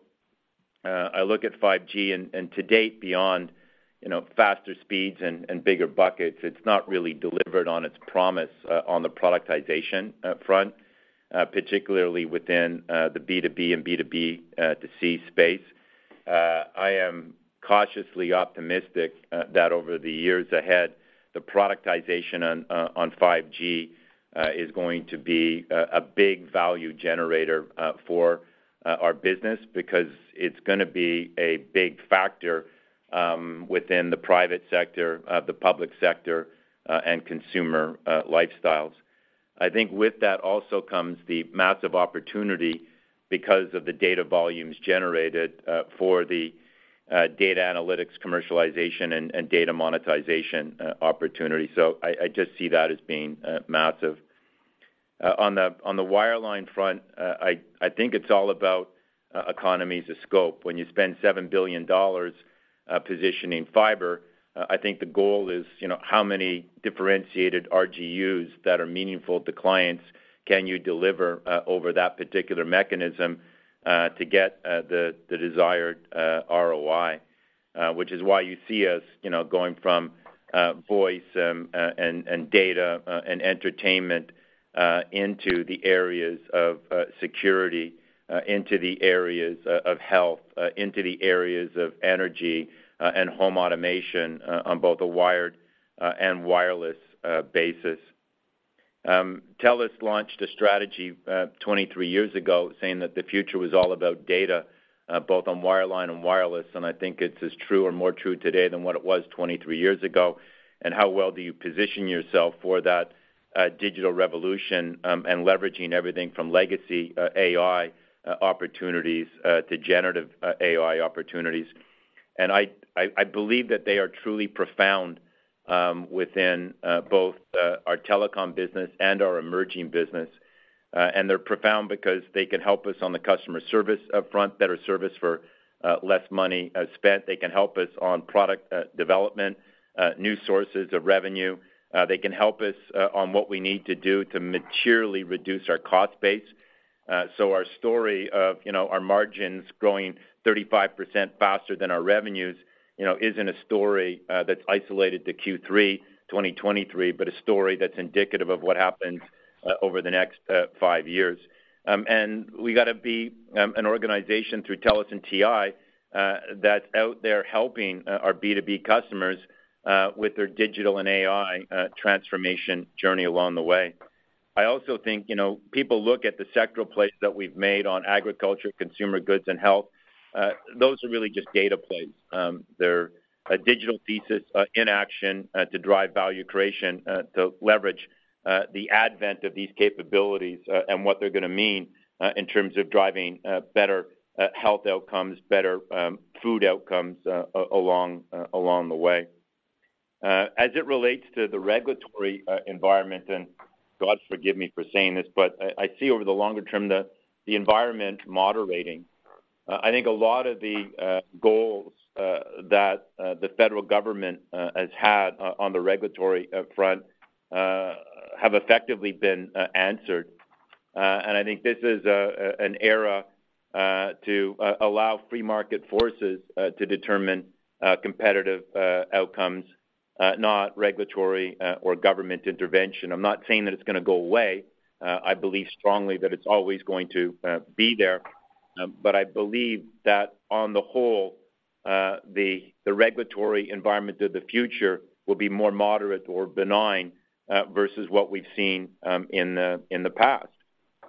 I look at 5G, and, to date, beyond, you know, faster speeds and, bigger buckets, it's not really delivered on its promise, on the productization, front, particularly within, the B2B and B2C space. I am cautiously optimistic that over the years ahead, the productization on 5G is going to be a big value generator for our business, because it's going to be a big factor within the private sector, the public sector, and consumer lifestyles. I think with that also comes the massive opportunity because of the data volumes generated for the data analytics, commercialization, and data monetization opportunity. So I just see that as being massive. On the wireline front, I think it's all about economies of scope. When you spend 7 billion dollars positioning fiber, I think the goal is, you know, how many differentiated RGUs that are meaningful to clients can you deliver over that particular mechanism to get the desired ROI? Which is why you see us, you know, going from voice and data and entertainment into the areas of security, into the areas of health, into the areas of energy and home automation on both a wired and wireless basis. TELUS launched a strategy 23 years ago saying that the future was all about data both on wireline and wireless, and I think it is true or more true today than what it was 23 years ago. How well do you position yourself for that digital revolution and leveraging everything from legacy AI opportunities to generative AI opportunities. I believe that they are truly profound within both our telecom business and our emerging business. They're profound because they can help us on the customer service up front, better service for less money spent. They can help us on product development, new sources of revenue. They can help us on what we need to do to materially reduce our cost base. So our story of, you know, our margins growing 35% faster than our revenues, you know, isn't a story that's isolated to Q3 2023, but a story that's indicative of what happens over the next five years. And we got to be an organization through TELUS and TI that's out there helping our B2B customers with their digital and AI transformation journey along the way. I also think, you know, people look at the sectoral plays that we've made on agriculture, consumer goods, and health. Those are really just data plays. They're a digital thesis in action to drive value creation to leverage the advent of these capabilities and what they're going to mean in terms of driving better health outcomes, better food outcomes along the way. As it relates to the regulatory environment, and God forgive me for saying this, but I see over the longer term, the environment moderating. I think a lot of the goals that the federal government has had on the regulatory front have effectively been answered. And I think this is an era to allow free market forces to determine competitive outcomes not regulatory or government intervention. I'm not saying that it's going to go away. I believe strongly that it's always going to be there. But I believe that on the whole the regulatory environment of the future will be more moderate or benign versus what we've seen in the past.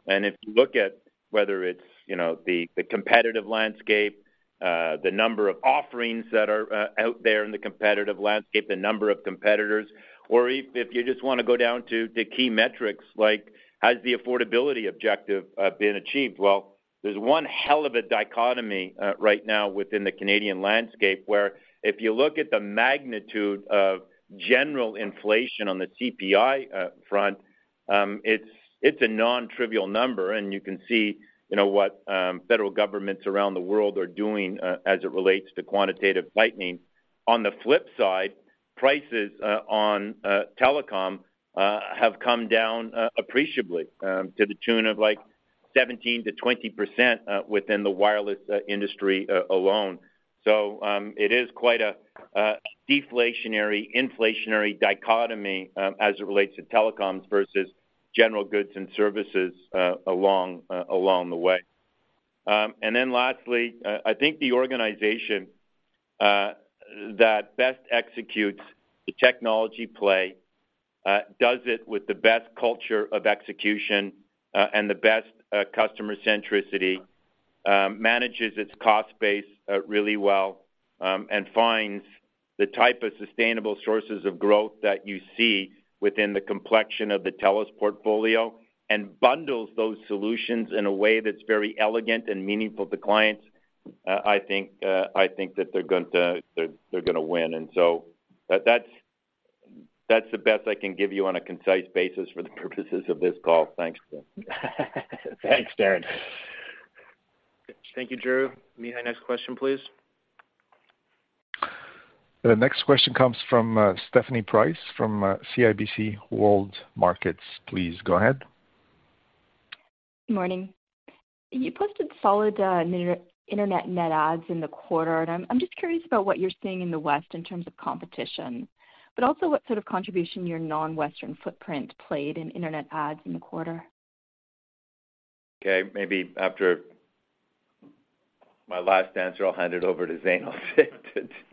If you look at whether it's, you know, the competitive landscape, the number of offerings that are out there in the competitive landscape, the number of competitors, or if you just want to go down to the key metrics, like, has the affordability objective been achieved? Well, there's one hell of a dichotomy right now within the Canadian landscape, where if you look at the magnitude of general inflation on the CPI front, it's a non-trivial number, and you can see, you know, what federal governments around the world are doing as it relates to quantitative tightening. On the flip side, prices on telecom have come down appreciably to the tune of, like, 17%-20% within the wireless industry alone. So, it is quite a deflationary, inflationary dichotomy, as it relates to telecoms versus general goods and services, along the way. And then lastly, I think the organization that best executes the technology play does it with the best culture of execution and the best customer centricity, manages its cost base really well, and finds the type of sustainable sources of growth that you see within the complexion of the TELUS portfolio and bundles those solutions in a way that's very elegant and meaningful to clients. I think that they're going to win. And so that's the best I can give you on a concise basis for the purposes of this call. Thanks. Thanks, Darren. Thank you, Drew. Mihai, next question, please. The next question comes from Stephanie Price from CIBC World Markets. Please go ahead. Good morning. You posted solid internet net adds in the quarter, and I'm just curious about what you're seeing in the West in terms of competition, but also what sort of contribution your non-Western footprint played in internet net adds in the quarter? Okay. Maybe after my last answer, I'll hand it over to Zainul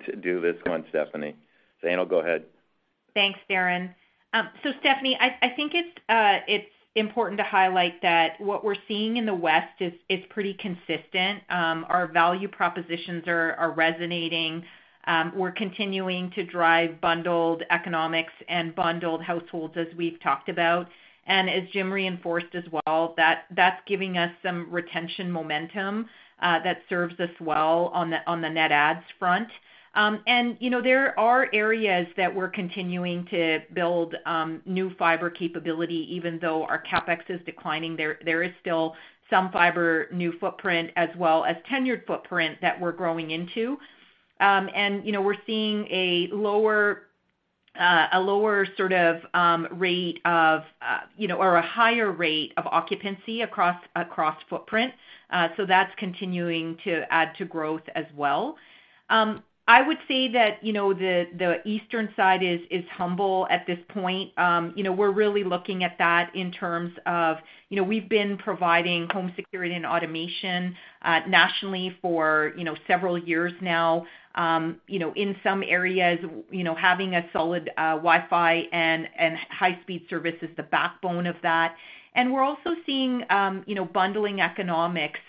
to do this one, Stephanie. Zainul, go ahead. Thanks, Darren. So Stephanie, I think it's important to highlight that what we're seeing in the West is pretty consistent. Our value propositions are resonating. We're continuing to drive bundled economics and bundled households, as we've talked about. And as Jim reinforced as well, that's giving us some retention momentum that serves us well on the net adds front. And, you know, there are areas that we're continuing to build new fiber capability, even though our CapEx is declining. There is still some fiber, new footprint, as well as tenured footprint that we're growing into. And, you know, we're seeing a lower sort of rate of, you know, or a higher rate of occupancy across footprint. So that's continuing to add to growth as well. I would say that, you know, the Eastern side is humble at this point. You know, we're really looking at that in terms of, you know, we've been providing home security and automation nationally for, you know, several years now. You know, in some areas, you know, having a solid Wi-Fi and high-speed service is the backbone of that. And we're also seeing, you know, bundling economics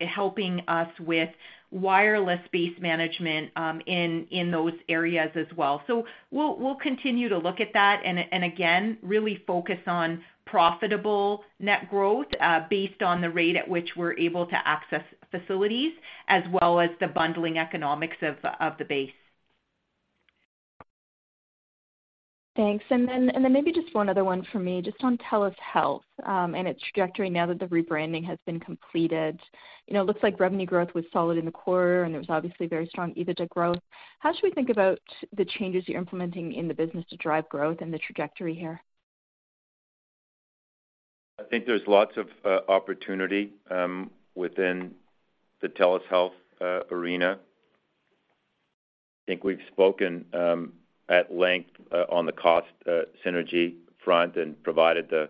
helping us with wireless base management in those areas as well. So we'll continue to look at that, and again, really focus on profitable net growth based on the rate at which we're able to access facilities, as well as the bundling economics of the base. Thanks. And then maybe just one other one for me, just on TELUS Health, and its trajectory now that the rebranding has been completed. You know, it looks like revenue growth was solid in the quarter, and there was obviously very strong EBITDA growth. How should we think about the changes you're implementing in the business to drive growth and the trajectory here? I think there's lots of opportunity within the TELUS Health arena. I think we've spoken at length on the cost synergy front and provided the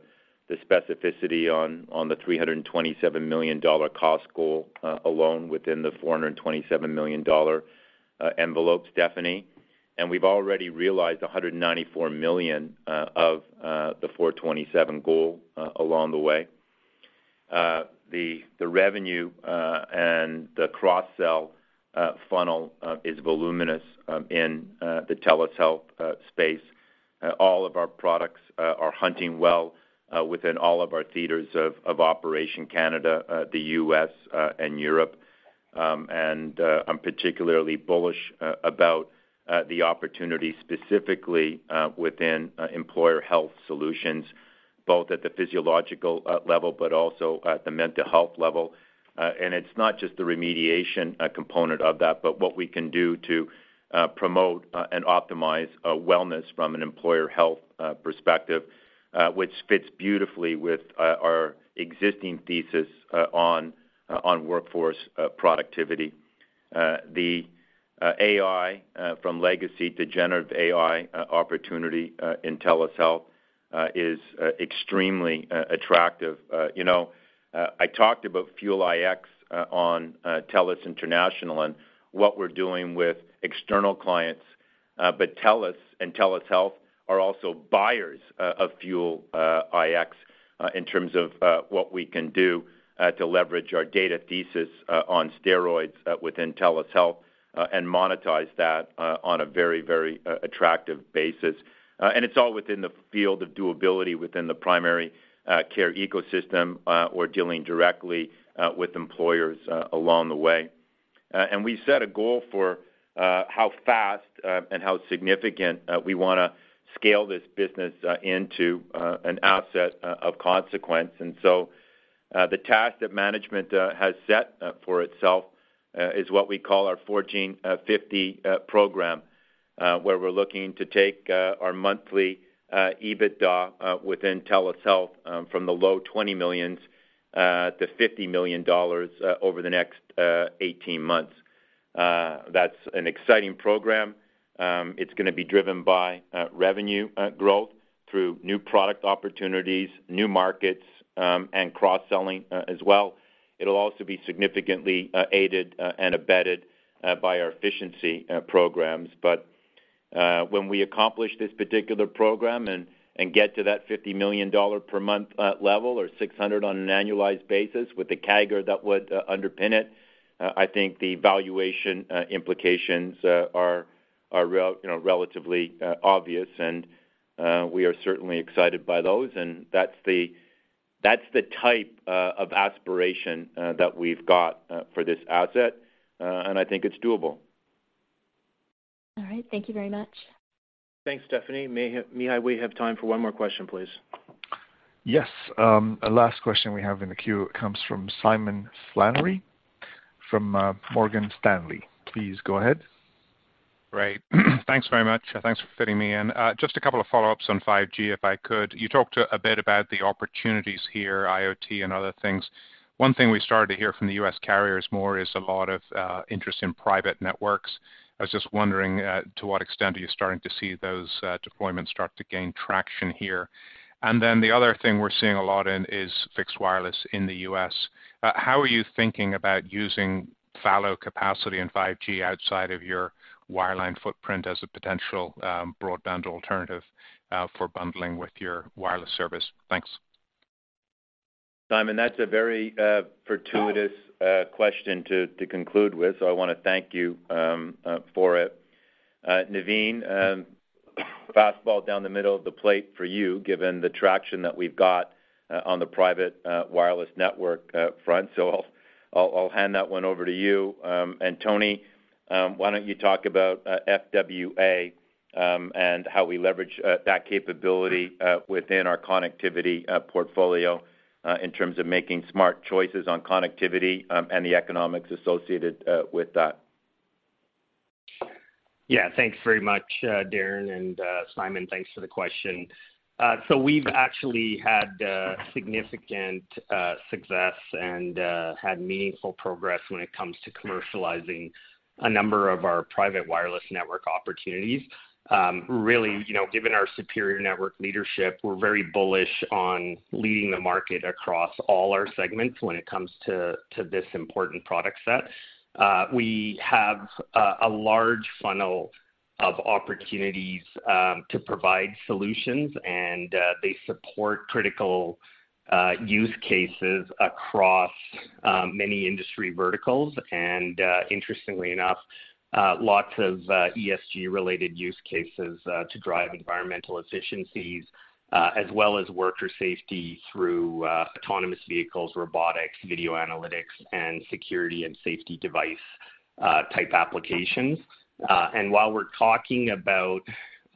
specificity on the 327 million dollar cost goal alone within the 427 million dollar envelope, Stephanie. We've already realized 194 million of the 427 goal along the way. The revenue and the cross-sell funnel is voluminous in the TELUS Health space. All of our products are hunting well within all of our theaters of operation Canada, the U.S., and Europe. I'm particularly bullish about the opportunity specifically within employer health solutions, both at the physiological level, but also at the mental health level. It's not just the remediation component of that, but what we can do to promote and optimize wellness from an employer health perspective, which fits beautifully with our existing thesis on workforce productivity. The AI from legacy to generative AI opportunity in TELUS Health is extremely attractive. You know, I talked about Fuel iX on TELUS International and what we're doing with external clients, but TELUS and TELUS Health are also buyers of Fuel iX in terms of what we can do to leverage our data thesis on steroids within TELUS Health and monetize that on a very, very attractive basis. And it's all within the field of durability within the primary care ecosystem or dealing directly with employers along the way. And we set a goal for how fast and how significant we wanna scale this business into an asset of consequence. So, the task that management has set for itself is what we call our 40-50 program, where we're looking to take our monthly EBITDA within TELUS Health from the low 20 millions to 50 million dollars over the next 18 months. That's an exciting program. It's gonna be driven by revenue growth through new product opportunities, new markets, and cross-selling as well. It'll also be significantly aided and abetted by our efficiency programs. But, when we accomplish this particular program and, and get to that 50 million dollar per month level, or 600 million on an annualized basis with the CAGR that would underpin it, I think the valuation implications are, you know, relatively obvious, and we are certainly excited by those. And that's the, that's the type of aspiration that we've got for this asset, and I think it's doable. All right. Thank you very much. Thanks, Stephanie. Mihai, we have time for one more question, please. Yes, the last question we have in the queue comes from Simon Flannery from Morgan Stanley. Please go ahead. Great. Thanks very much. Thanks for fitting me in. Just a couple of follow-ups on 5G, if I could. You talked a bit about the opportunities here, IoT and other things. One thing we started to hear from the U.S. carriers more is a lot of interest in private networks. I was just wondering to what extent are you starting to see those deployments start to gain traction here? And then the other thing we're seeing a lot in is fixed wireless in the U.S. How are you thinking about using fallow capacity in 5G outside of your wireline footprint as a potential broadband alternative for bundling with your wireless service? Thanks. Simon, that's a very fortuitous question to conclude with, so I want to thank you for it. Navin, fastball down the middle of the plate for you, given the traction that we've got on the private wireless network front. So I'll hand that one over to you. And Tony, why don't you talk about FWA and how we leverage that capability within our connectivity portfolio in terms of making smart choices on connectivity and the economics associated with that? Yeah. Thanks very much, Darren, and, Simon, thanks for the question. So we've actually had significant success and had meaningful progress when it comes to commercializing a number of our private wireless network opportunities. Really, you know, given our superior network leadership, we're very bullish on leading the market across all our segments when it comes to this important product set. We have a large funnel of opportunities to provide solutions, and they support critical use cases across many industry verticals. Interestingly enough, lots of ESG-related use cases to drive environmental efficiencies, as well as worker safety through autonomous vehicles, robotics, video analytics, and security and safety device type applications. And while we're talking about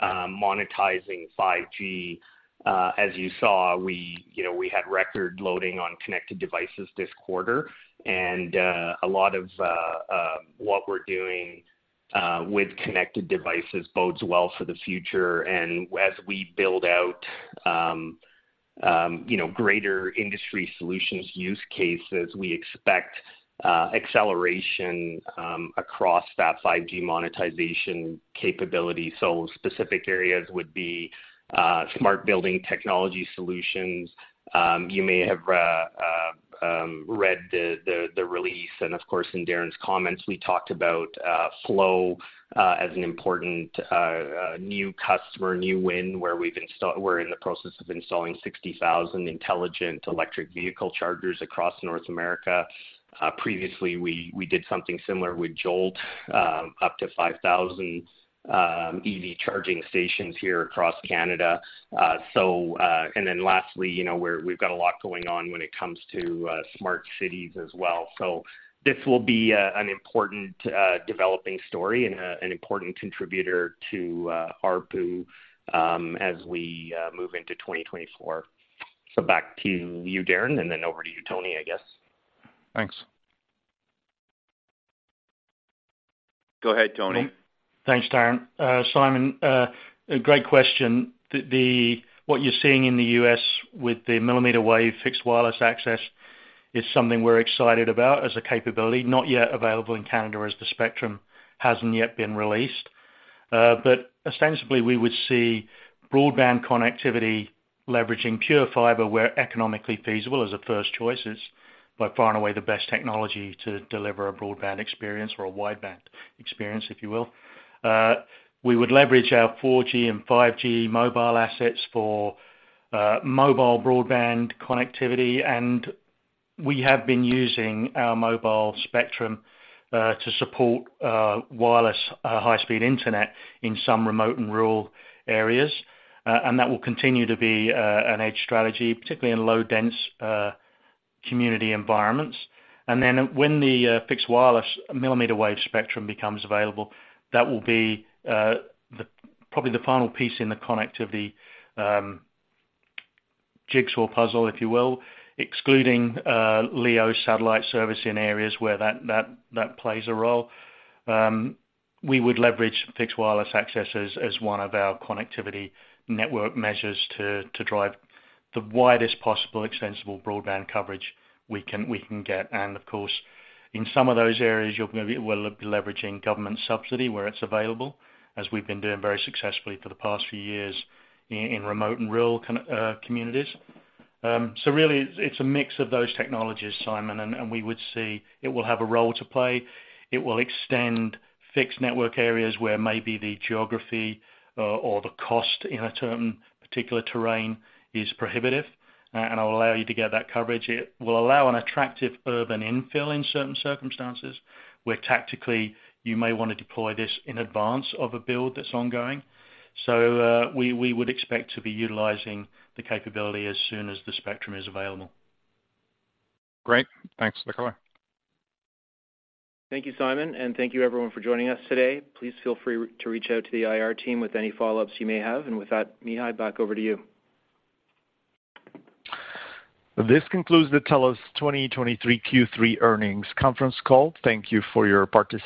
monetizing 5G, as you saw, we, you know, we had record loading on connected devices this quarter, and a lot of what we're doing with connected devices bodes well for the future. And as we build out, you know, greater industry solutions use cases, we expect acceleration across that 5G monetization capability. So specific areas would be smart building technology solutions. You may have read the release, and of course, in Darren's comments, we talked about Flow as an important new customer, new win, where we're in the process of installing 60,000 intelligent electric vehicle chargers across North America. Previously, we did something similar with Jolt, up to 5,000 EV charging stations here across Canada. So, and then lastly, you know, we've got a lot going on when it comes to smart cities as well. So this will be an important developing story and an important contributor to ARPU as we move into 2024. So back to you, Darren, and then over to you, Tony, I guess. Thanks. Go ahead, Tony. Thanks, Darren. Simon, a great question. What you're seeing in the U.S. with the millimeter-wave fixed wireless access is something we're excited about as a capability, not yet available in Canada, as the spectrum hasn't yet been released. But ostensibly, we would see broadband connectivity leveraging pure fiber where economically feasible as a first choice. It's by far and away the best technology to deliver a broadband experience or a wideband experience, if you will. We would leverage our 4G and 5G mobile assets for mobile broadband connectivity, and we have been using our mobile spectrum to support wireless high-speed internet in some remote and rural areas. And that will continue to be an edge strategy, particularly in low dense community environments. Then when the fixed wireless millimeter wave spectrum becomes available, that will be the probably the final piece in the connectivity jigsaw puzzle, if you will, excluding LEO satellite service in areas where that plays a role. We would leverage fixed wireless access as one of our connectivity network measures to drive the widest possible extensible broadband coverage we can get. And of course, in some of those areas, you're going to be. We'll be leveraging government subsidy where it's available, as we've been doing very successfully for the past few years in remote and rural communities. So really, it's a mix of those technologies, Simon, and we would see it will have a role to play. It will extend fixed network areas where maybe the geography, or the cost in a certain particular terrain is prohibitive, and it'll allow you to get that coverage. It will allow an attractive urban infill in certain circumstances, where tactically you may want to deploy this in advance of a build that's ongoing. So, we would expect to be utilizing the capability as soon as the spectrum is available. Great. Thanks. Thank you, Simon, and thank you everyone for joining us today. Please feel free to reach out to the IR team with any follow-ups you may have. With that, Mihai, back over to you. This concludes the TELUS 2023 Q3 earnings conference call. Thank you for your participation.